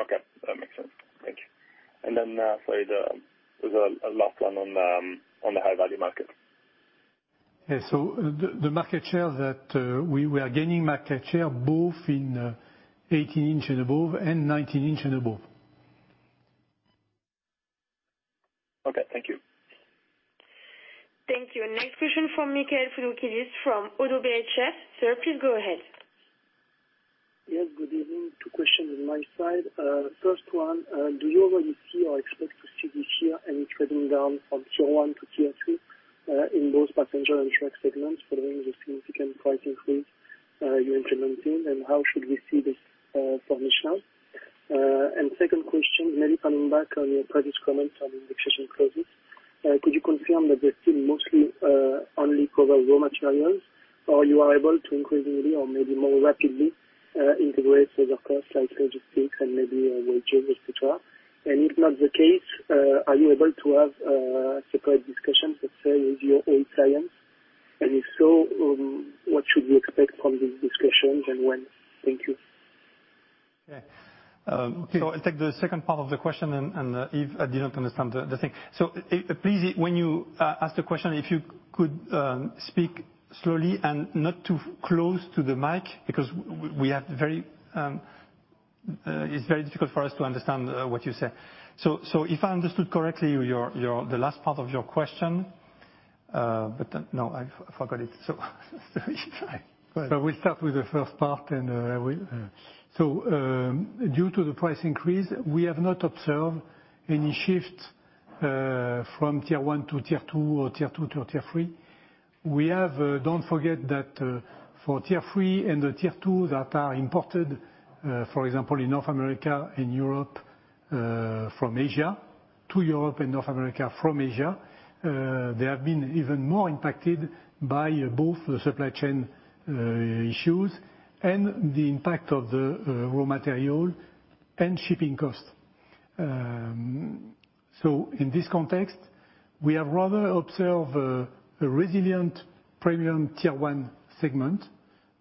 Okay. That makes sense. Thank you. Sorry, the last one on the high value market. Yeah. The market share that we are gaining market share both in 18-inch and above and 19-inch and above. Okay. Thank you. Thank you. Next question from Michael Foundoukidis from Oddo BHF. Sir, please go ahead. Yes, good evening. Two questions on my side. First one, do you already see or expect to see this year any trading down from tier one to tier three, in both passenger and truck segments following the significant price increase, you implemented? How should we see this, for Michelin? Second question, maybe coming back on your previous comment on indexation clauses. Could you confirm that they still mostly only cover raw materials? Or you are able to increasingly or maybe more rapidly, integrate other costs like logistics and maybe, wages, et cetera? If not the case, are you able to have, separate discussions, let's say, with your eight clients? If so, what should we expect from these discussions and when? Thank you. Yeah. I'll take the second part of the question and Yves, I didn't understand the thing. Please, when you ask the question, if you could speak slowly and not too close to the mic, because it's very difficult for us to understand what you say. If I understood correctly, the last part of your question, but no, I forgot it. Sorry. Due to the price increase, we have not observed any shift from tier one to tier two or tier two to tier three. Don't forget that for tier three and the tier two that are imported, for example, in North America and Europe, from Asia to Europe and North America, they have been even more impacted by both the supply chain issues and the impact of the raw material and shipping costs. In this context, we have rather observed a resilient premium tier one segment,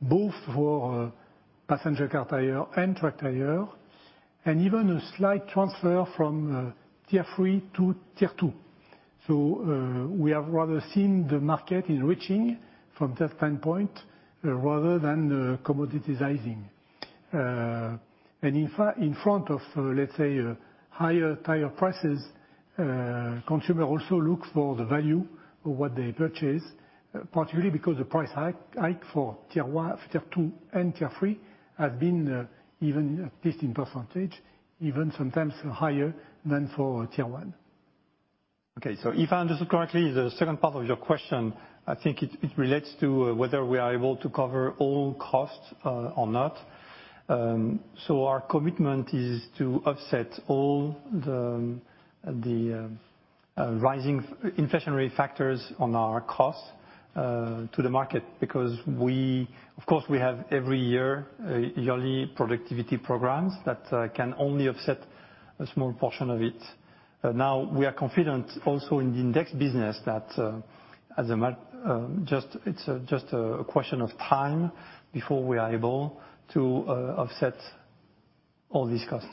both for passenger car tire and truck tire, and even a slight transfer from tier three to tier two. We have rather seen the market enriching from that standpoint rather than commoditizing. In front of, let's say, higher tire prices, consumer also looks for the value of what they purchase, particularly because the price hike for tier one, tier two, and tier three has been even at least in percentage, even sometimes higher than for tier one. Okay. If I understood correctly, the second part of your question, I think it relates to whether we are able to cover all costs, or not. Our commitment is to offset all the rising inflationary factors on our costs to the market, because we, of course, we have every year yearly productivity programs that can only offset a small portion of it. Now we are confident also in the index business that it's just a question of time before we are able to offset all these costs.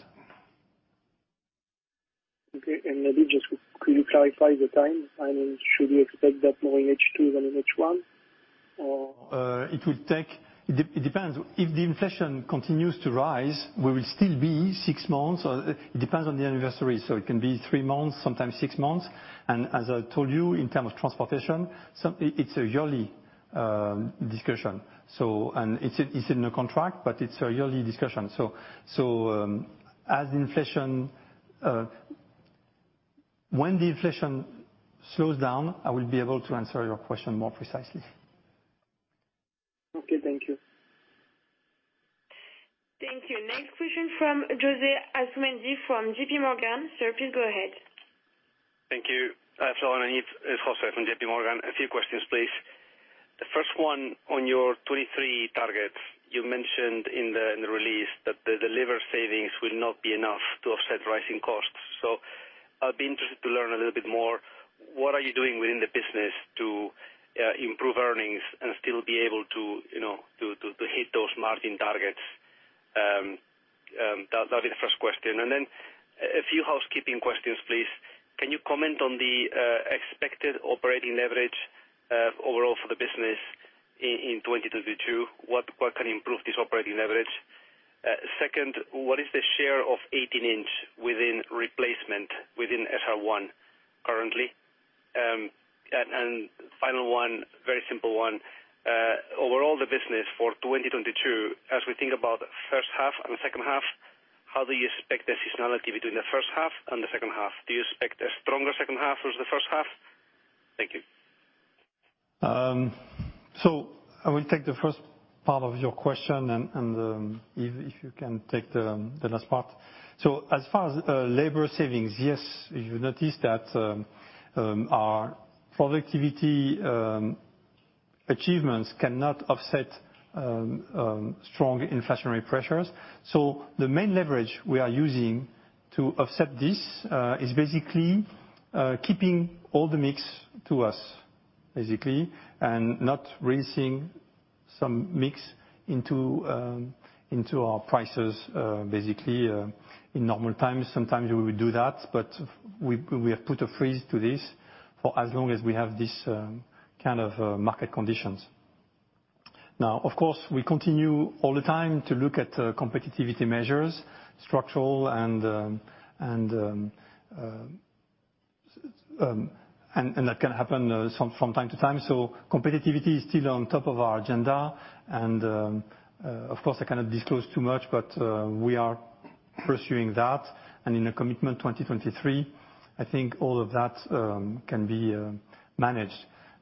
Okay. Maybe just could you clarify the time? I mean, should we expect that more in H2 than in H1 or? It will take. It depends. If the inflation continues to rise, we will still be 6 months or it depends on the anniversary, so it can be three months, sometimes six months. As I told you, in terms of transportation, it's a yearly discussion. It's in a contract, but it's a yearly discussion. When the inflation slows down, I will be able to answer your question more precisely. Okay, thank you. Thank you. Next question from José Asumendi from JPMorgan. Sir, please go ahead. Thank you. Hi, Florent and Yves. It's José Asumendi from JPMorgan. A few questions, please. The first one on your 2023 targets. You mentioned in the release that the delivered savings will not be enough to offset rising costs. I'll be interested to learn a little bit more, what are you doing within the business to improve earnings and still be able to hit those margin targets? That'll be the first question. Then a few housekeeping questions, please. Can you comment on the expected operating leverage overall for the business in 2022? What can improve this operating leverage? Second, what is the share of 18-inch within replacement within SR1 currently? And final one, very simple one. Overall, the business for 2022, as we think about H1 and the H2, how do you expect the seasonality between the H1 and the H2? Do you expect a stronger H2 versus the H1? Thank you. I will take the first part of your question, Yves, if you can take the last part. As far as labor savings, yes, you notice that our productivity achievements cannot offset strong inflationary pressures. The main leverage we are using to offset this is basically keeping all the mix to us, basically, and not raising some mix into our prices, basically, in normal times. Sometimes we will do that, but we have put a freeze on this for as long as we have this kind of market conditions. Now, of course, we continue all the time to look at competitiveness measures, structural and that can happen some from time to time. Competitiveness is still on top of our agenda, and, of course, I cannot disclose too much, but we are pursuing that. In the Commitment 2023, I think all of that can be managed.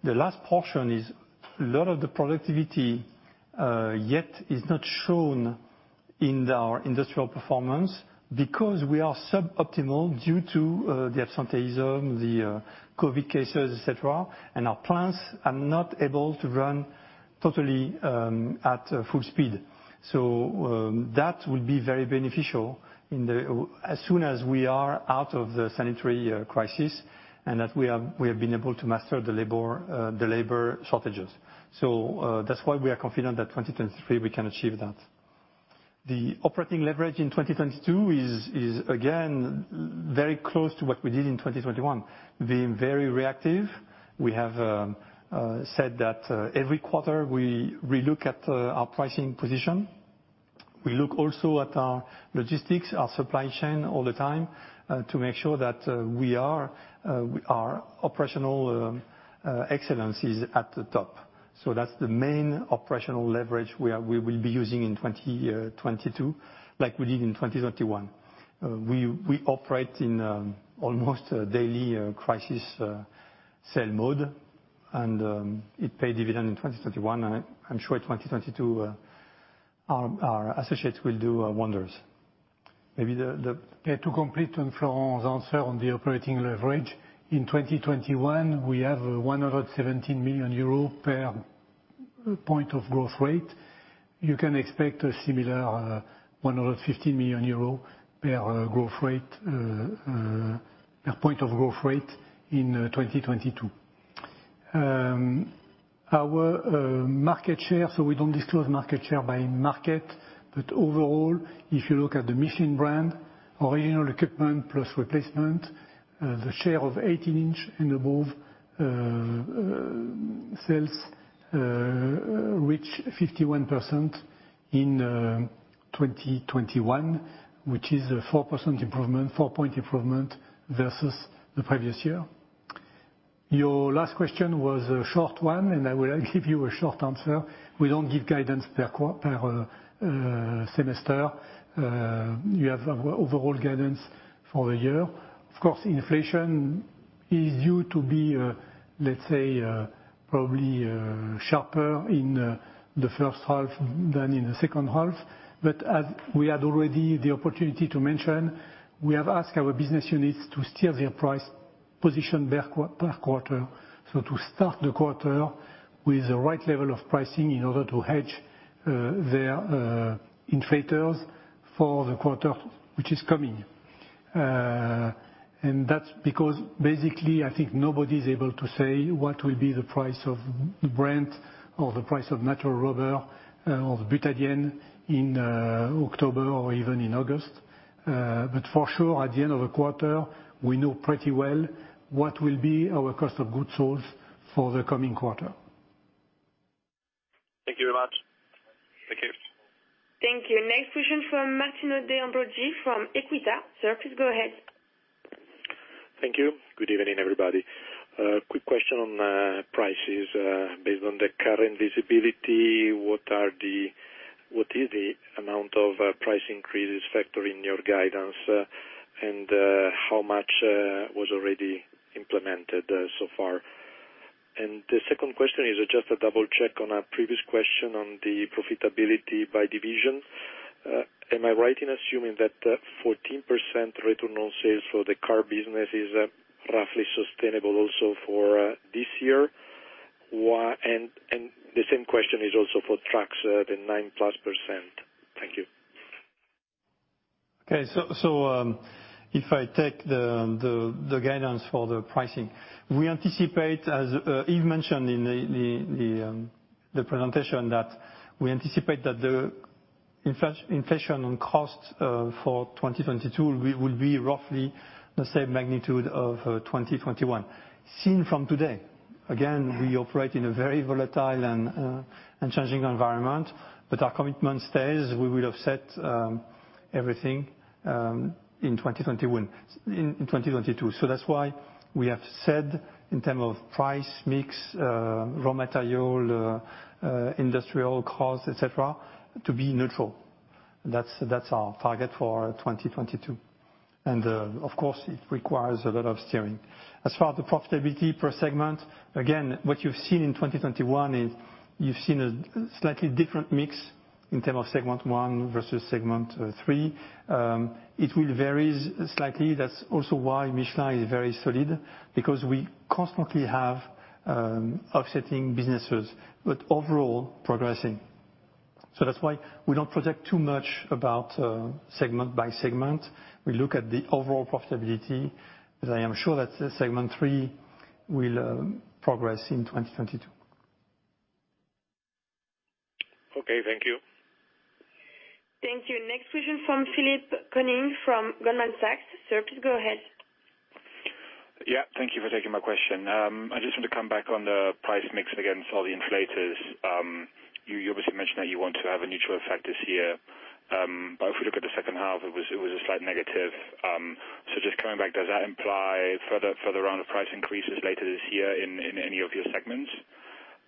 The last portion is a lot of the productivity that is not shown in our industrial performance because we are suboptimal due to the absenteeism, the COVID cases, et cetera. Our plants are not able to run totally at full speed. That will be very beneficial as soon as we are out of the sanitary crisis, and that we have been able to master the labor shortages. That's why we are confident that in 2023 we can achieve that. The operating leverage in 2022 is again very close to what we did in 2021, being very reactive. We have said that every quarter we relook at our pricing position. We look also at our logistics, our supply chain all the time to make sure that our operational excellence is at the top. That's the main operational leverage we will be using in 2022 like we did in 2021. We operate in almost a daily crisis sell mode, and it paid dividend in 2021. I'm sure in 2022 our associates will do wonders. Maybe the To complement Florent's answer on the operating leverage, in 2021, we have 117 million euros per point of growth rate. You can expect a similar 115 million euros per point of growth rate in 2022. Our market share, so we don't disclose market share by market, but overall, if you look at the Michelin brand, original equipment plus replacement, the share of 18-inch and above sales reach 51% in 2021, which is a four-point improvement versus the previous year. Your last question was a short one, and I will give you a short answer. We don't give guidance per semester. You have our overall guidance for the year. Of course, inflation is due to be, let's say, probably, sharper in the H1 than in the H2 As we had already the opportunity to mention, we have asked our business units to steer their price position backlog per quarter to start the quarter with the right level of pricing in order to hedge the inflation for the quarter which is coming. That's because basically, I think nobody's able to say what will be the price of Brent or the price of natural rubber or butadiene in October or even in August. For sure at the end of the quarter, we know pretty well what will be our cost of goods sold for the coming quarter. Thank you very much. Thank you. Thank you. Next question from Martino De Ambroggi from Equita. Sir, please go ahead. Thank you. Good evening, everybody. Quick question on prices. Based on the current visibility, what is the amount of price increases factored in your guidance, and how much was already implemented so far? The second question is just a double check on a previous question on the profitability by division. Am I right in assuming that 14% return on sales for the car business is roughly sustainable also for this year? The same question is also for trucks, the 9%+. Thank you. Okay. If I take the guidance for the pricing, we anticipate, as Yves mentioned in the presentation, that we anticipate that the inflation on costs for 2022 will be roughly the same magnitude of 2021. Seen from today, again, we operate in a very volatile and changing environment, but our commitment stays. We will offset everything in 2022. That's why we have said in terms of price mix, raw material, industrial costs, et cetera, to be neutral. That's our target for 2022. Of course, it requires a lot of steering. As far as the profitability per segment, again, what you've seen in 2021 is you've seen a slightly different mix in terms of segment one versus segment three. It will vary slightly. That's also why Michelin is very solid, because we constantly have offsetting businesses, but overall progressing. That's why we don't project too much about segment by segment. We look at the overall profitability, but I am sure that segment three will progress in 2022. Okay, thank you. Thank you. Next question from Philippe Camu from Goldman Sachs. Sir, please go ahead. Yeah, thank you for taking my question. I just want to come back on the price mix against all the inflation. You obviously mentioned that you want to have a neutral effect this year. But if we look at the H2, it was a slight negative. Just coming back, does that imply further round of price increases later this year in any of your segments?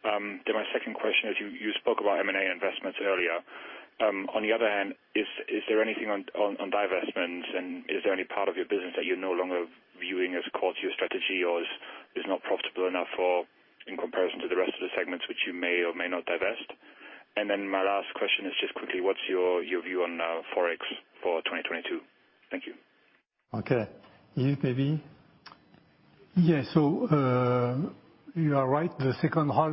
My second question is, you spoke about M&A investments earlier. On the other hand, is there anything on divestments, and is there any part of your business that you're no longer viewing as core to your strategy or is not profitable enough in comparison to the rest of the segments which you may or may not divest? My last question is just quickly, what's your view on Forex for 2022? Thank you. Okay. Yves, maybe. You are right. The H2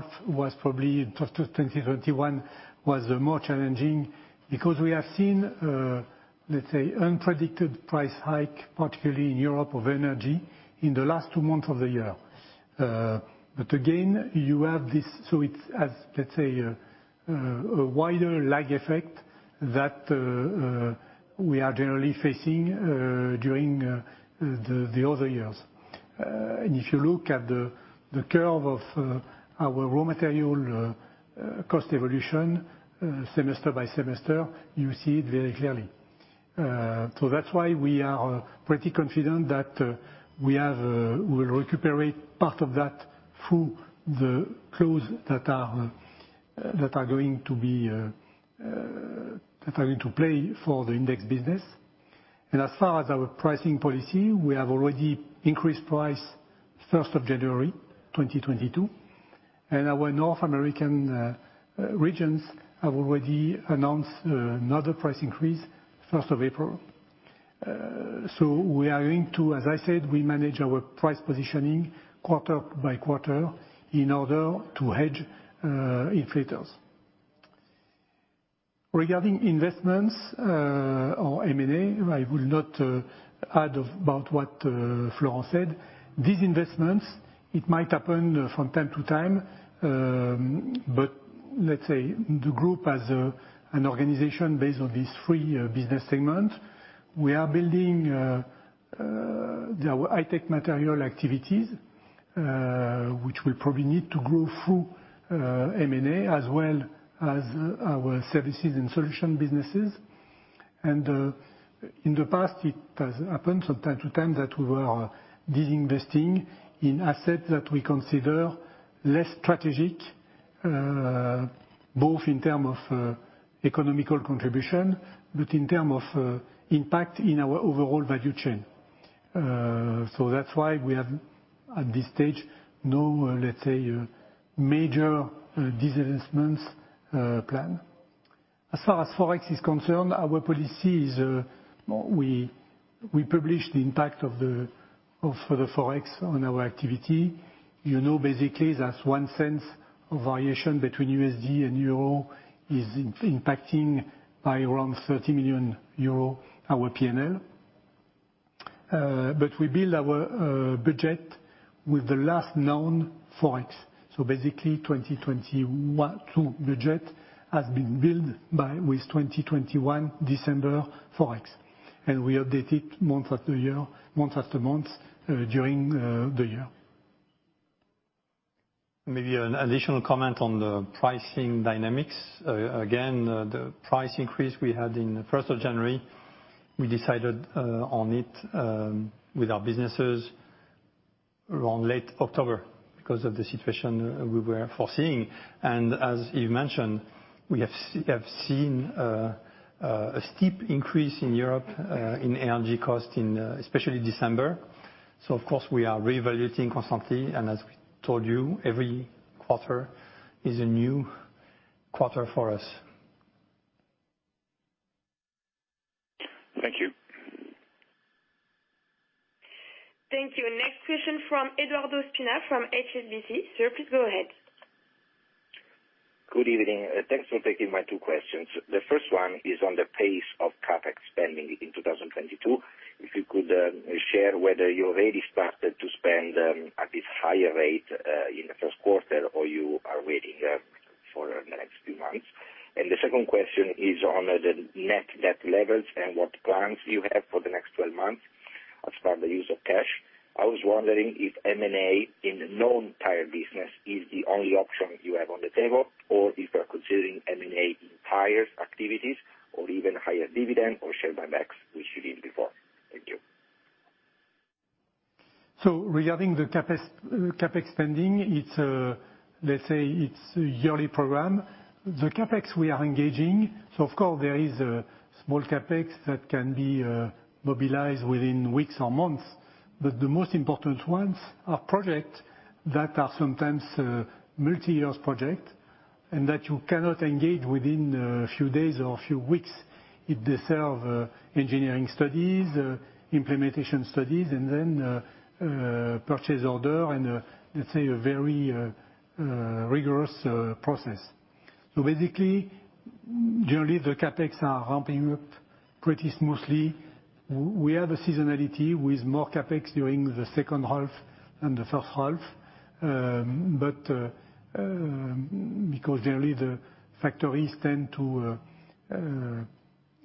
of 2021 was more challenging because we have seen, let's say, unprecedented price hike, particularly in Europe, of energy in the last two months of the year. You have this. It has, let's say, a wider lag effect that we are generally facing during the other years. If you look at the curve of our raw material cost evolution, semester by semester, you see it very clearly. That's why we are pretty confident that we'll recuperate part of that through the clauses that are going to play for the index business. As far as our pricing policy, we have already increased price first of January 2022, and our North American regions have already announced another price increase first of April. We are going to, as I said, we manage our price positioning quarter by quarter in order to hedge inflators. Regarding investments or M&A, I will not add about what Florent said. These investments, it might happen from time to time, but let's say the group as an organization based on these three business segment, we are building our high-tech material activities, which will probably need to grow through M&A, as well as our services and solution businesses. In the past, it has happened from time to time that we were divesting in assets that we consider less strategic, both in terms of economic contribution, but in terms of impact in our overall value chain. That's why we have, at this stage, no, let's say, major disinvestment plan. As far as Forex is concerned, our policy is we publish the impact of the Forex on our activity. You know, basically, that's one cent of variation between USD and euro is impacting by around 30 million euro our P&L. But we build our budget with the last known Forex. Basically 2022 budget has been built with December 2021 Forex, and we update it year after year, month after month during the year. Maybe an additional comment on the pricing dynamics. Again, the price increase we had on 1 January, we decided on it with our businesses around late October because of the situation we were foreseeing. As Yves mentioned, we have seen a steep increase in Europe in energy costs, especially in December. Of course, we are reevaluating constantly, and as we told you, every quarter is a new quarter for us. Thank you. Thank you. Next question from Edoardo Spina from HSBC. Sir, please go ahead. Good evening. Thanks for taking my two questions. The first one is on the pace of CapEx spending in 2022. If you could share whether you already started to spend at this higher rate in the Q1 or you are waiting for the next few months. The second question is on the net debt levels and what plans you have for the next 12 months as part of the use of cash. I was wondering if M&A in the non-tire business is the only option you have on the table, or if you are considering M&A in tires activities or even higher dividend or share buybacks, which you did before. Thank you. Regarding CapEx spending, let's say it's a yearly program. The CapEx we are engaging, of course there is a small CapEx that can be mobilized within weeks or months. The most important ones are projects that are sometimes multi-year projects and that you cannot engage within a few days or a few weeks. It deserves engineering studies, implementation studies, and then purchase orders and, let's say, a very rigorous process. Basically, generally the CapEx are ramping up pretty smoothly. We have a seasonality with more CapEx during the H2 than the H1. Because generally the factories tend to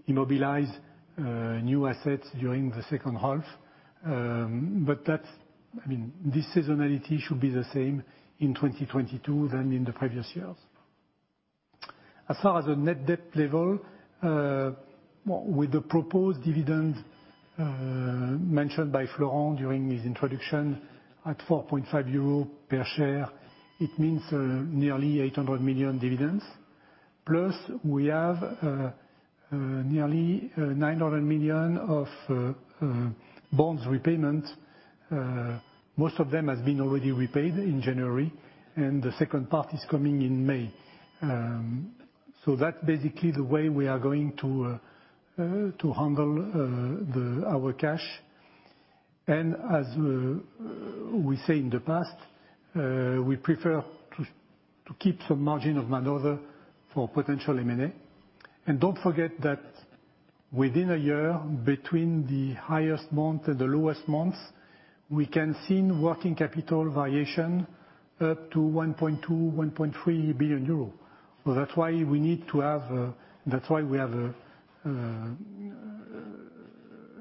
immobilize new assets during the H2. I mean, this seasonality should be the same in 2022 than in the previous years. As far as the net debt level, with the proposed dividend mentioned by Florent during his introduction at 4.5 euro per share, it means nearly 800 million dividends. Plus, we have nearly 900 million of bonds repayment. Most of them has been already repaid in January, and the second part is coming in May. That's basically the way we are going to handle our cash. As we say in the past, we prefer to keep some margin of maneuver for potential M&A. Don't forget that within a year, between the highest month and the lowest month, we can see working capital variation up to 1.2 billion-1.3 billion euros. That's why we need to have. That's why we have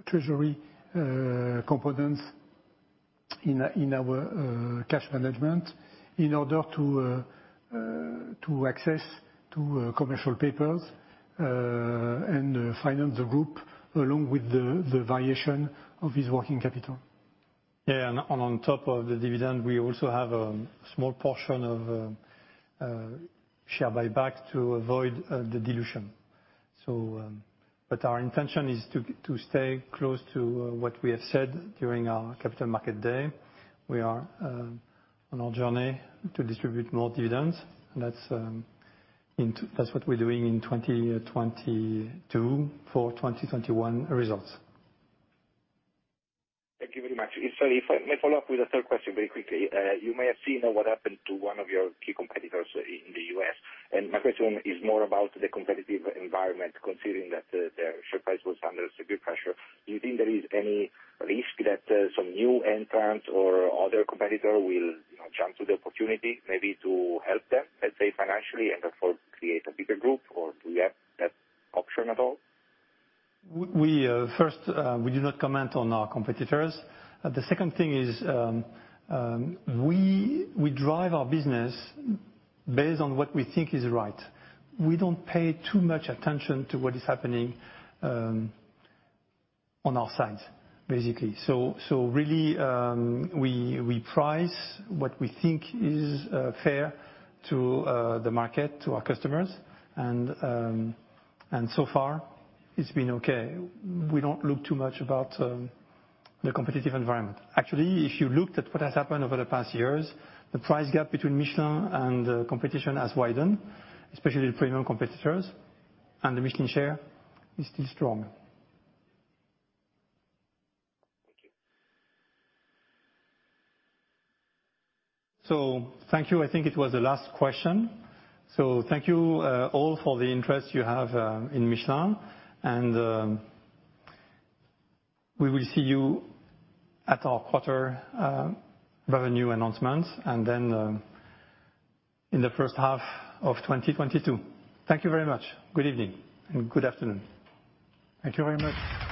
treasury components in our cash management in order to access commercial papers and finance the group along with the variation of this working capital. Yeah. On top of the dividend, we also have small portion of share buyback to avoid the dilution. Our intention is to stay close to what we have said during our Capital Market Day. We are on our journey to distribute more dividends, and that's what we're doing in 2022 for 2021 results. Thank you very much. If I may follow up with a third question very quickly. You may have seen what happened to one of your key competitors in the U.S. My question is more about the competitive environment considering that their share price was under severe pressure. Do you think there is any risk that some new entrants or other competitor will, you know, jump to the opportunity maybe to help them, let's say, financially and therefore create a bigger group or do you have that option at all? First, we do not comment on our competitors. The second thing is, we drive our business based on what we think is right. We don't pay too much attention to what is happening on our side, basically. Really, we price what we think is fair to the market, to our customers. So far it's been okay. We don't look too much at the competitive environment. Actually, if you looked at what has happened over the past years, the price gap between Michelin and the competition has widened, especially the premium competitors, and the Michelin share is still strong. Thank you. I think it was the last question. Thank you, all for the interest you have in Michelin, and we will see you at our quarterly revenue announcements and then in the H1 of 2022. Thank you very much. Good evening and good afternoon. Thank you very much.